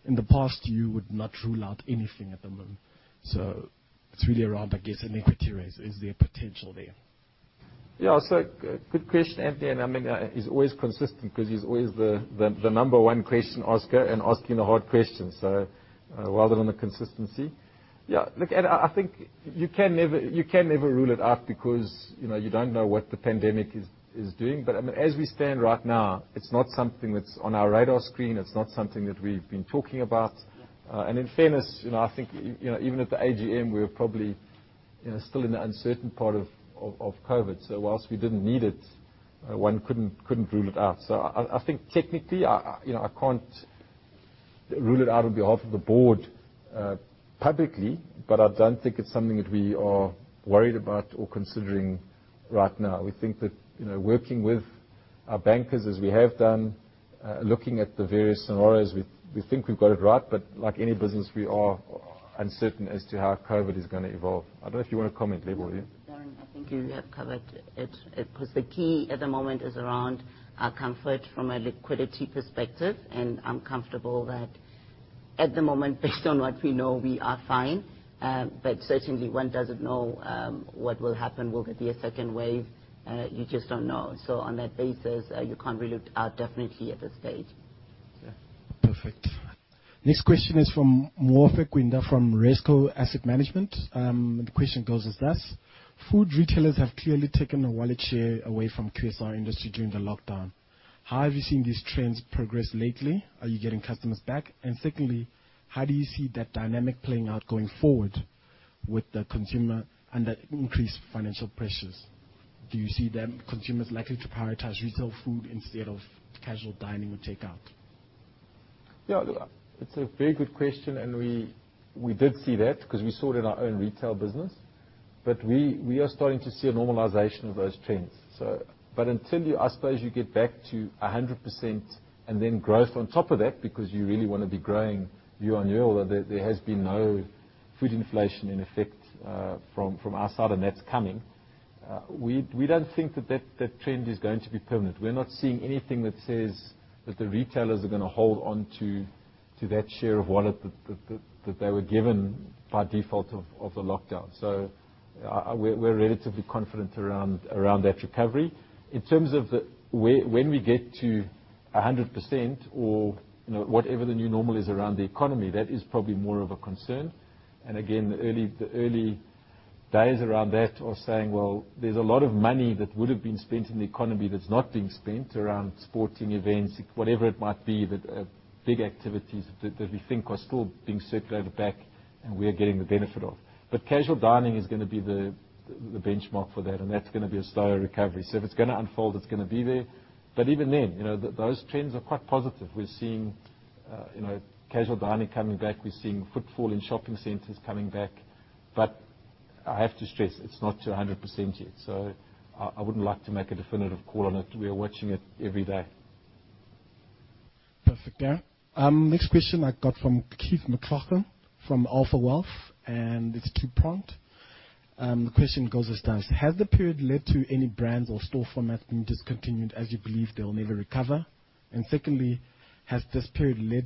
In the past, you would not rule out anything at the moment." It's really around, I guess, an equity raise. Is there potential there?" Yeah. Good question, Anthony. He's always consistent because he's always the number one question asker and asking the hard questions. Well done on the consistency. Yeah, look, I think you can never rule it out because you don't know what the pandemic is doing. As we stand right now, it's not something that's on our radar screen. It's not something that we've been talking about. In fairness, I think even at the AGM, we were probably still in the uncertain part of COVID-19. Whilst we didn't need it, one couldn't rule it out. I think technically, I can't rule it out on behalf of the board publicly, but I don't think it's something that we are worried about or considering right now. We think that working with our bankers as we have done, looking at the various scenarios, we think we've got it right. Like any business, we are uncertain as to how COVID is going to evolve. I don't know if you want to comment, Lebo. Darren, I think you have covered it, because the key at the moment is around our comfort from a liquidity perspective, and I'm comfortable that at the moment, based on what we know, we are fine. Certainly, one doesn't know what will happen. Will there be a second wave? You just don't know. On that basis, you can't rule it out definitely at this stage. Yeah. Perfect. Next question is from [Merveck Winter] from Rezco Asset Management. The question goes as this: Food retailers have clearly taken a wallet share away from QSR industry during the lockdown. How have you seen these trends progress lately? Are you getting customers back? Secondly, how do you see that dynamic playing out going forward? With the consumer under increased financial pressures, do you see consumers likely to prioritize retail food instead of casual dining or takeout? Yeah. It's a very good question, and we did see that because we saw it in our own retail business. We are starting to see a normalization of those trends. Until, I suppose, you get back to 100% and then growth on top of that, because you really want to be growing year-on-year, although there has been no food inflation in effect from our side, and that's coming. We don't think that trend is going to be permanent. We're not seeing anything that says that the retailers are going to hold on to that share of wallet that they were given by default of the lockdown. We're relatively confident around that recovery. In terms of when we get to 100% or whatever the new normal is around the economy, that is probably more of a concern. Again, the early days around that are saying, well, there's a lot of money that would've been spent in the economy that's not being spent around sporting events, whatever it might be, the big activities that we think are still being circulated back and we are getting the benefit of. Casual dining is going to be the benchmark for that, and that's going to be a slower recovery. If it's going to unfold, it's going to be there. Even then, those trends are quite positive. We're seeing casual dining coming back. We're seeing footfall in shopping centers coming back. I have to stress, it's not to 100% yet, so I wouldn't like to make a definitive call on it. We are watching it every day. Perfect. Next question I got from Keith McLachlan from Alpha Wealth, and it's a two-part. The question goes as thus: Has the period led to any brands or store formats being discontinued, as you believe they'll never recover? Secondly, has this period led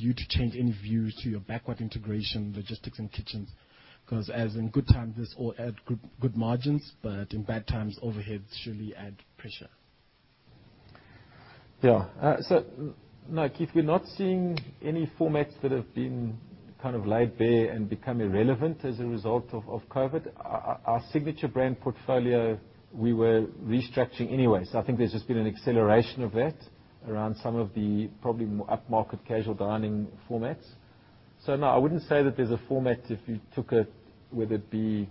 you to change any views to your backward integration, logistics, and kitchens? As in good times, this all add good margins, but in bad times, overheads surely add pressure. No, Keith, we're not seeing any formats that have been kind of laid bare and become irrelevant as a result of COVID-19. Our Signature Brands portfolio, we were restructuring anyway. I think there's just been an acceleration of that around some of the probably upmarket casual dining formats. No, I wouldn't say that there's a format if you took it, whether it be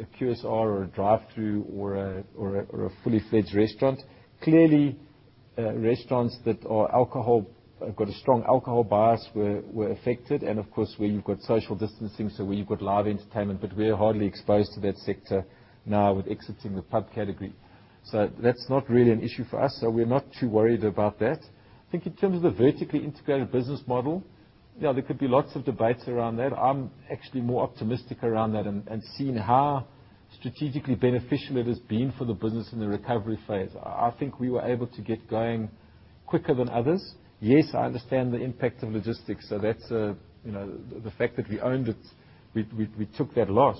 a QSR or a drive-through or a fully fledged restaurant. Clearly, restaurants that have got a strong alcohol bias were affected, and of course, where you've got social distancing, so where you've got live entertainment, but we're hardly exposed to that sector now with exiting the pub category. That's not really an issue for us, so we're not too worried about that. I think in terms of the vertically integrated business model, there could be lots of debates around that. I'm actually more optimistic around that and seeing how strategically beneficial it has been for the business in the recovery phase. I think we were able to get going quicker than others. Yes, I understand the impact of logistics, so that's the fact that we owned it, we took that loss.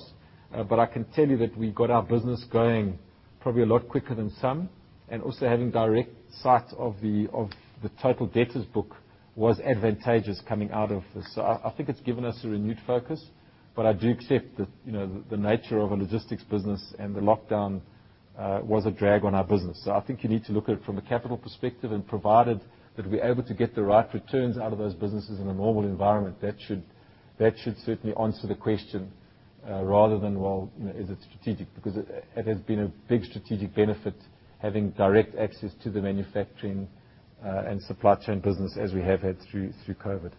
I can tell you that we got our business going probably a lot quicker than some, and also having direct sight of the total debtors book was advantageous coming out of this. I think it's given us a renewed focus, but I do accept that the nature of a logistics business and the lockdown was a drag on our business. I think you need to look at it from a capital perspective, and provided that we're able to get the right returns out of those businesses in a normal environment, that should certainly answer the question, rather than, well, is it strategic? It has been a big strategic benefit having direct access to the manufacturing and supply chain business as we have had through COVID.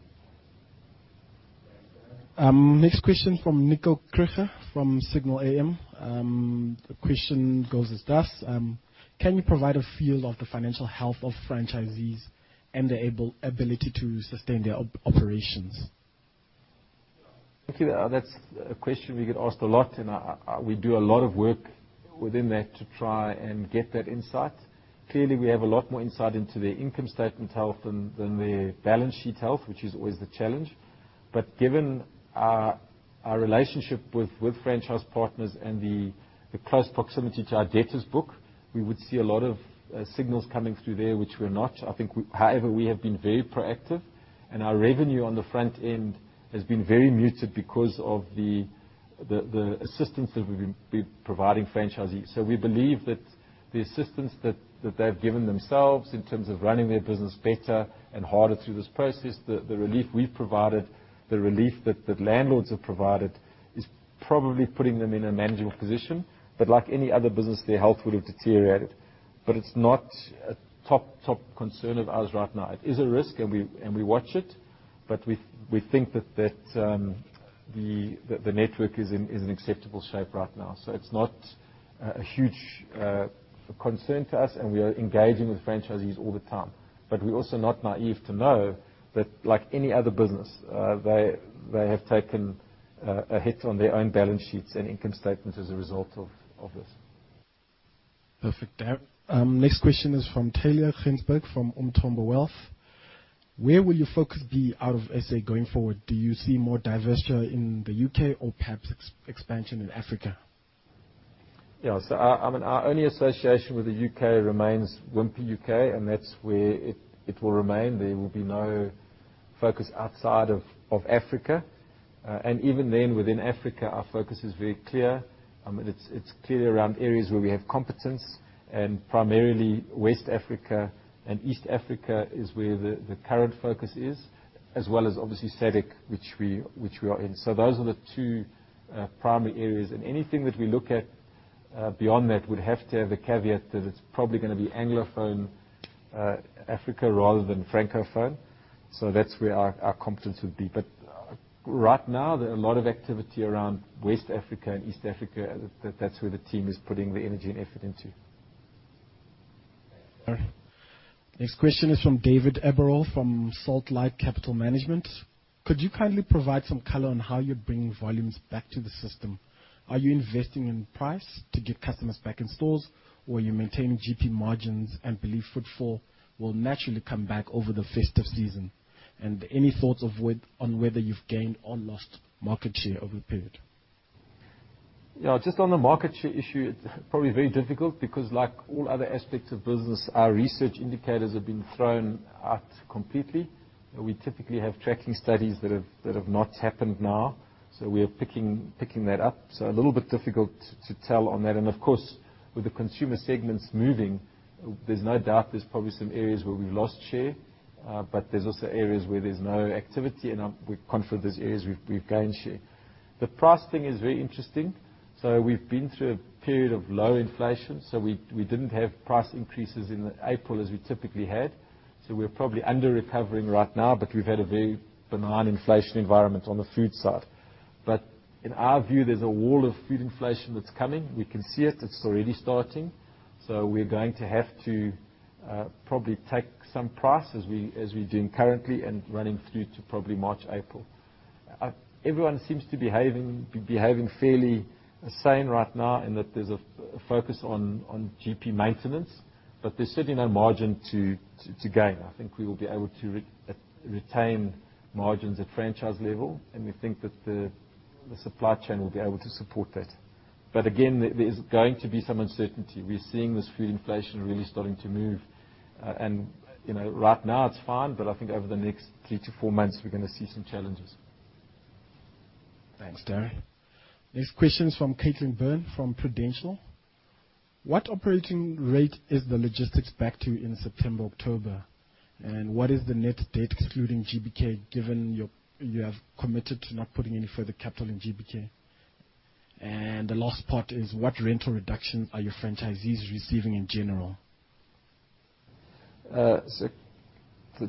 Next question from Nico Kricke from Signal AM. The question goes as thus: Can you provide a feel of the financial health of franchisees and their ability to sustain their operations? Thank you. That's a question we get asked a lot. We do a lot of work within that to try and get that insight. Clearly, we have a lot more insight into their income statement health than their balance sheet health, which is always the challenge. Given our relationship with franchise partners and the close proximity to our debtors book, we would see a lot of signals coming through there which we're not. I think, however, we have been very proactive, and our revenue on the front end has been very muted because of the assistance that we've been providing franchisees. We believe that the assistance that they've given themselves, in terms of running their business better and harder through this process, the relief we've provided, the relief that landlords have provided, is probably putting them in a manageable position. Like any other business, their health would have deteriorated. It's not a top concern of ours right now. It is a risk, and we watch it, but we think that the network is in acceptable shape right now. It's not a huge concern to us, and we are engaging with franchisees all the time. We're also not naive to know that like any other business, they have taken a hit on their own balance sheets and income statements as a result of this. Perfect. Next question is from Talya Ginsberg from Umthombo Wealth. Where will your focus be out of S.A. going forward? Do you see more divestiture in the U.K. or perhaps expansion in Africa? Yeah. Our only association with the U.K. remains Wimpy U.K., and that's where it will remain. There will be no focus outside of Africa. Even then, within Africa, our focus is very clear. It's clearly around areas where we have competence, and primarily West Africa and East Africa is where the current focus is, as well as obviously Southern African Development Community, which we are in. Those are the two primary areas. Anything that we look at beyond that, we'd have to have the caveat that it's probably going to be anglophone Africa rather than francophone. That's where our competence would be. Right now, there are a lot of activity around West Africa and East Africa. That's where the team is putting the energy and effort into. All right. Next question is from David Eborall from SaltLight Capital Management. Could you kindly provide some color on how you're bringing volumes back to the system? Are you investing in price to get customers back in stores or are you maintaining GP margins and believe footfall will naturally come back over the festive season? Any thoughts on whether you've gained or lost market share over the period? Yeah. Just on the market share issue, it's probably very difficult because like all other aspects of business, our research indicators have been thrown out completely. We typically have tracking studies that have not happened now, so we are picking that up. A little bit difficult to tell on that. Of course, with the consumer segments moving, there's no doubt there's probably some areas where we've lost share, but there's also areas where there's no activity, and we're confident there's areas we've gained share. The pricing is very interesting. We've been through a period of low inflation, so we didn't have price increases in April as we typically had. We're probably under-recovering right now, but we've had a very benign inflation environment on the food side. In our view, there's a wall of food inflation that's coming. We can see it. It's already starting. We're going to have to probably take some price as we're doing currently and running through to probably March, April. Everyone seems to be behaving fairly sane right now in that there's a focus on GP maintenance, but there's certainly no margin to gain. I think we will be able to retain margins at franchise level, and we think that the supply chain will be able to support that. Again, there's going to be some uncertainty. We're seeing this food inflation really starting to move. Right now it's fine, but I think over the next three to four months, we're going to see some challenges. Thanks, Darren. Next question's from Kaitlin Byrne from Prudential. What operating rate is the logistics back to in September, October, and what is the net debt excluding GBK, given you have committed to not putting any further capital in GBK? The last part is what rental reduction are your franchisees receiving in general?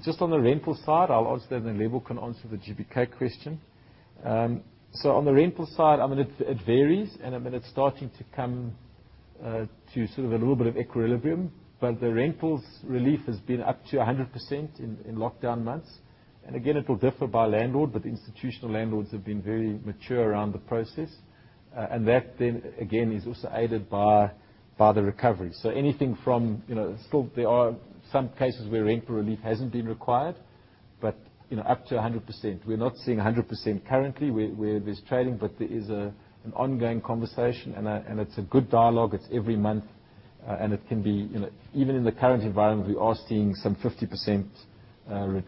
Just on the rental side, I'll answer that, then Lebo can answer the GBK question. On the rental side, it varies, and it's starting to come to sort of a little bit of equilibrium, but the rentals relief has been up to 100% in lockdown months. Again, it will differ by landlord, but institutional landlords have been very mature around the process. That then, again, is also aided by the recovery. Still, there are some cases where rental relief hasn't been required, but up to 100%. We're not seeing 100% currently where there's trading, but there is an ongoing conversation, and it's a good dialogue. It's every month, and even in the current environment, we are seeing some 50%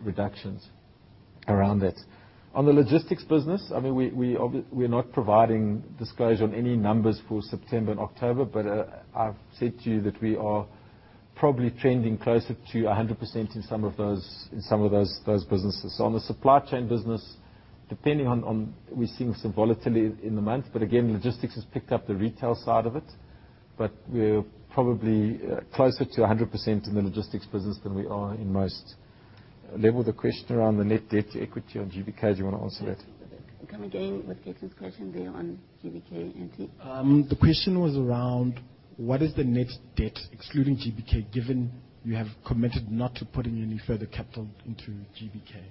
reductions around that. On the logistics business, we're not providing disclosure on any numbers for September and October, but I've said to you that we are probably trending closer to 100% in some of those businesses. On the supply chain business, We're seeing some volatility in the month, again, logistics has picked up the retail side of it. We're probably closer to 100% in the logistics business than we are in most. Lebo, the question around the net debt to equity on GBK, do you want to answer that? Come again with Kaitlin's question there on GBK. The question was around what is the net debt excluding GBK, given you have committed not to putting any further capital into GBK.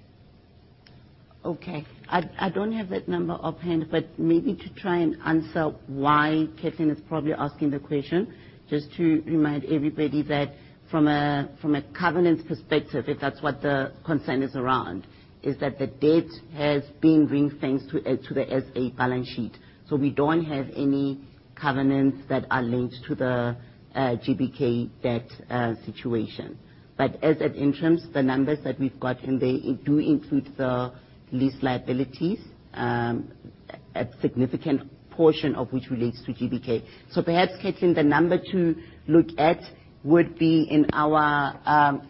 I don't have that number offhand, but maybe to try and answer why Kaitlin is probably asking the question, just to remind everybody that from a covenants perspective, if that's what the concern is around, is that the debt has been ring-fenced to the SA balance sheet. We don't have any covenants that are linked to the GBK debt situation. As at interim, the numbers that we've got in there do include the lease liabilities, a significant portion of which relates to GBK. Perhaps, Kaitlin, the number to look at would be in our,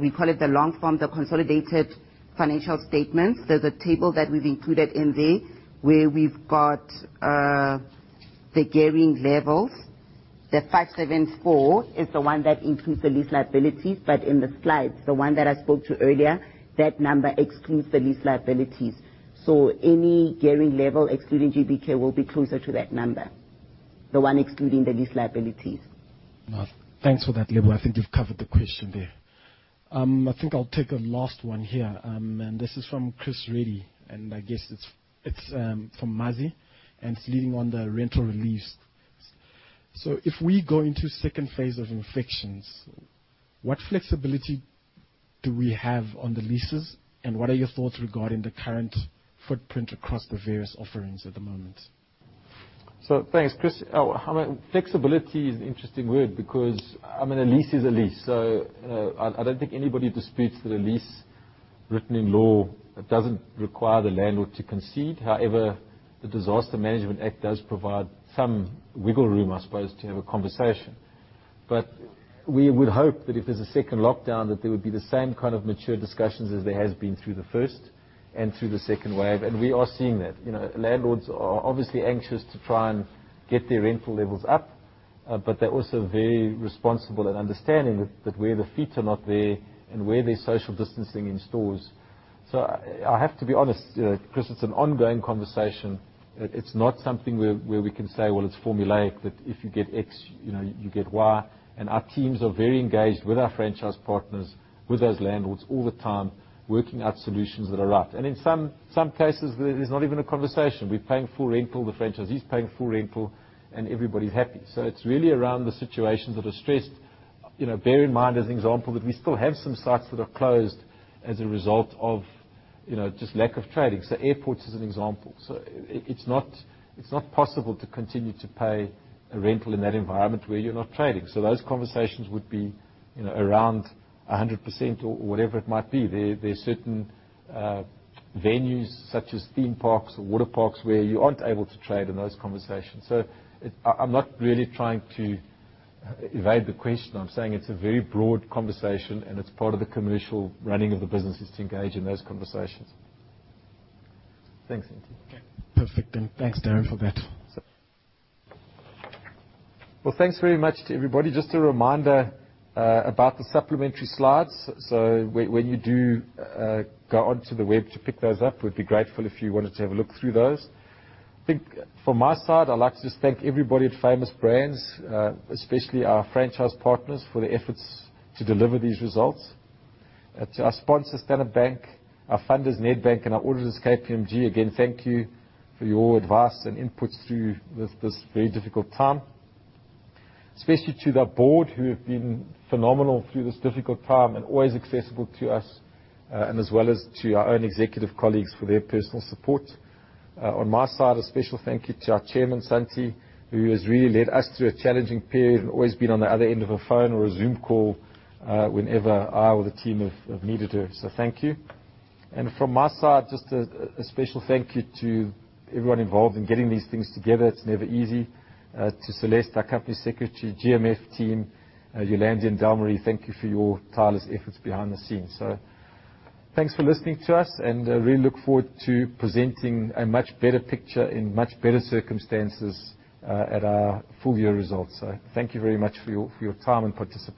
we call it the long form, the consolidated financial statements. There's a table that we've included in there where we've got the gearing levels. The 574 million is the one that includes the lease liabilities. In the slides, the one that I spoke to earlier, that number excludes the lease liabilities. Any gearing level excluding GBK will be closer to that number, the one excluding the lease liabilities. Thanks for that, Lebo. I think you've covered the question there. I think I'll take a last one here, and this is from Chris Ready, and I guess it's for Mazi, and it's leaning on the rental reliefs. If we go into second phase of infections, what flexibility do we have on the leases, and what are your thoughts regarding the current footprint across the various offerings at the moment? Thanks, Chris. Flexibility is an interesting word because a lease is a lease. I don't think anybody disputes that a lease written in law doesn't require the landlord to concede. However, the Disaster Management Act does provide some wiggle room, I suppose, to have a conversation. We would hope that if there's a second lockdown, that there would be the same kind of mature discussions as there has been through the first and through the second wave. We are seeing that. Landlords are obviously anxious to try and get their rental levels up, but they're also very responsible and understanding that where the feet are not there, and where there's social distancing in stores. I have to be honest, Chris, it's an ongoing conversation. It's not something where we can say, well, it's formulaic, that if you get X, you get Y. Our teams are very engaged with our franchise partners, with those landlords all the time, working out solutions that are right. In some cases, there's not even a conversation. We're paying full rental, the franchisee is paying full rental, and everybody's happy. It's really around the situations that are stressed. Bear in mind, as an example, that we still have some sites that are closed as a result of just lack of trading. Airports as an example. It's not possible to continue to pay a rental in that environment where you're not trading. Those conversations would be around 100% or whatever it might be. There are certain venues such as theme parks or water parks where you aren't able to trade. I'm not really trying to evade the question. I'm saying it's a very broad conversation, and it's part of the commercial running of the business, is to engage in those conversations. Thanks, Santie. Okay. Perfect, thanks, Darren, for that. Well, thanks very much to everybody. Just a reminder about the supplementary slides. When you do go onto the web to pick those up, we'd be grateful if you wanted to have a look through those. I think from my side, I'd like to just thank everybody at Famous Brands, especially our franchise partners, for their efforts to deliver these results. To our sponsors, Standard Bank, our funders, Nedbank, and our auditors, KPMG, again, thank you for your advice and inputs through this very difficult time. Especially to the board, who have been phenomenal through this difficult time and always accessible to us, and as well as to our own executive colleagues for their personal support. On my side, a special thank you to our chairman, Santie, who has really led us through a challenging period and always been on the other end of a phone or a Zoom call whenever I or the team have needed him. Thank you. From my side, just a special thank you to everyone involved in getting these things together. It's never easy. To Celeste, our company secretary, GMF team, Yolandi and Delmarie, thank you for your tireless efforts behind the scenes. Thanks for listening to us, and really look forward to presenting a much better picture in much better circumstances at our full year results. Thank you very much for your time and participation.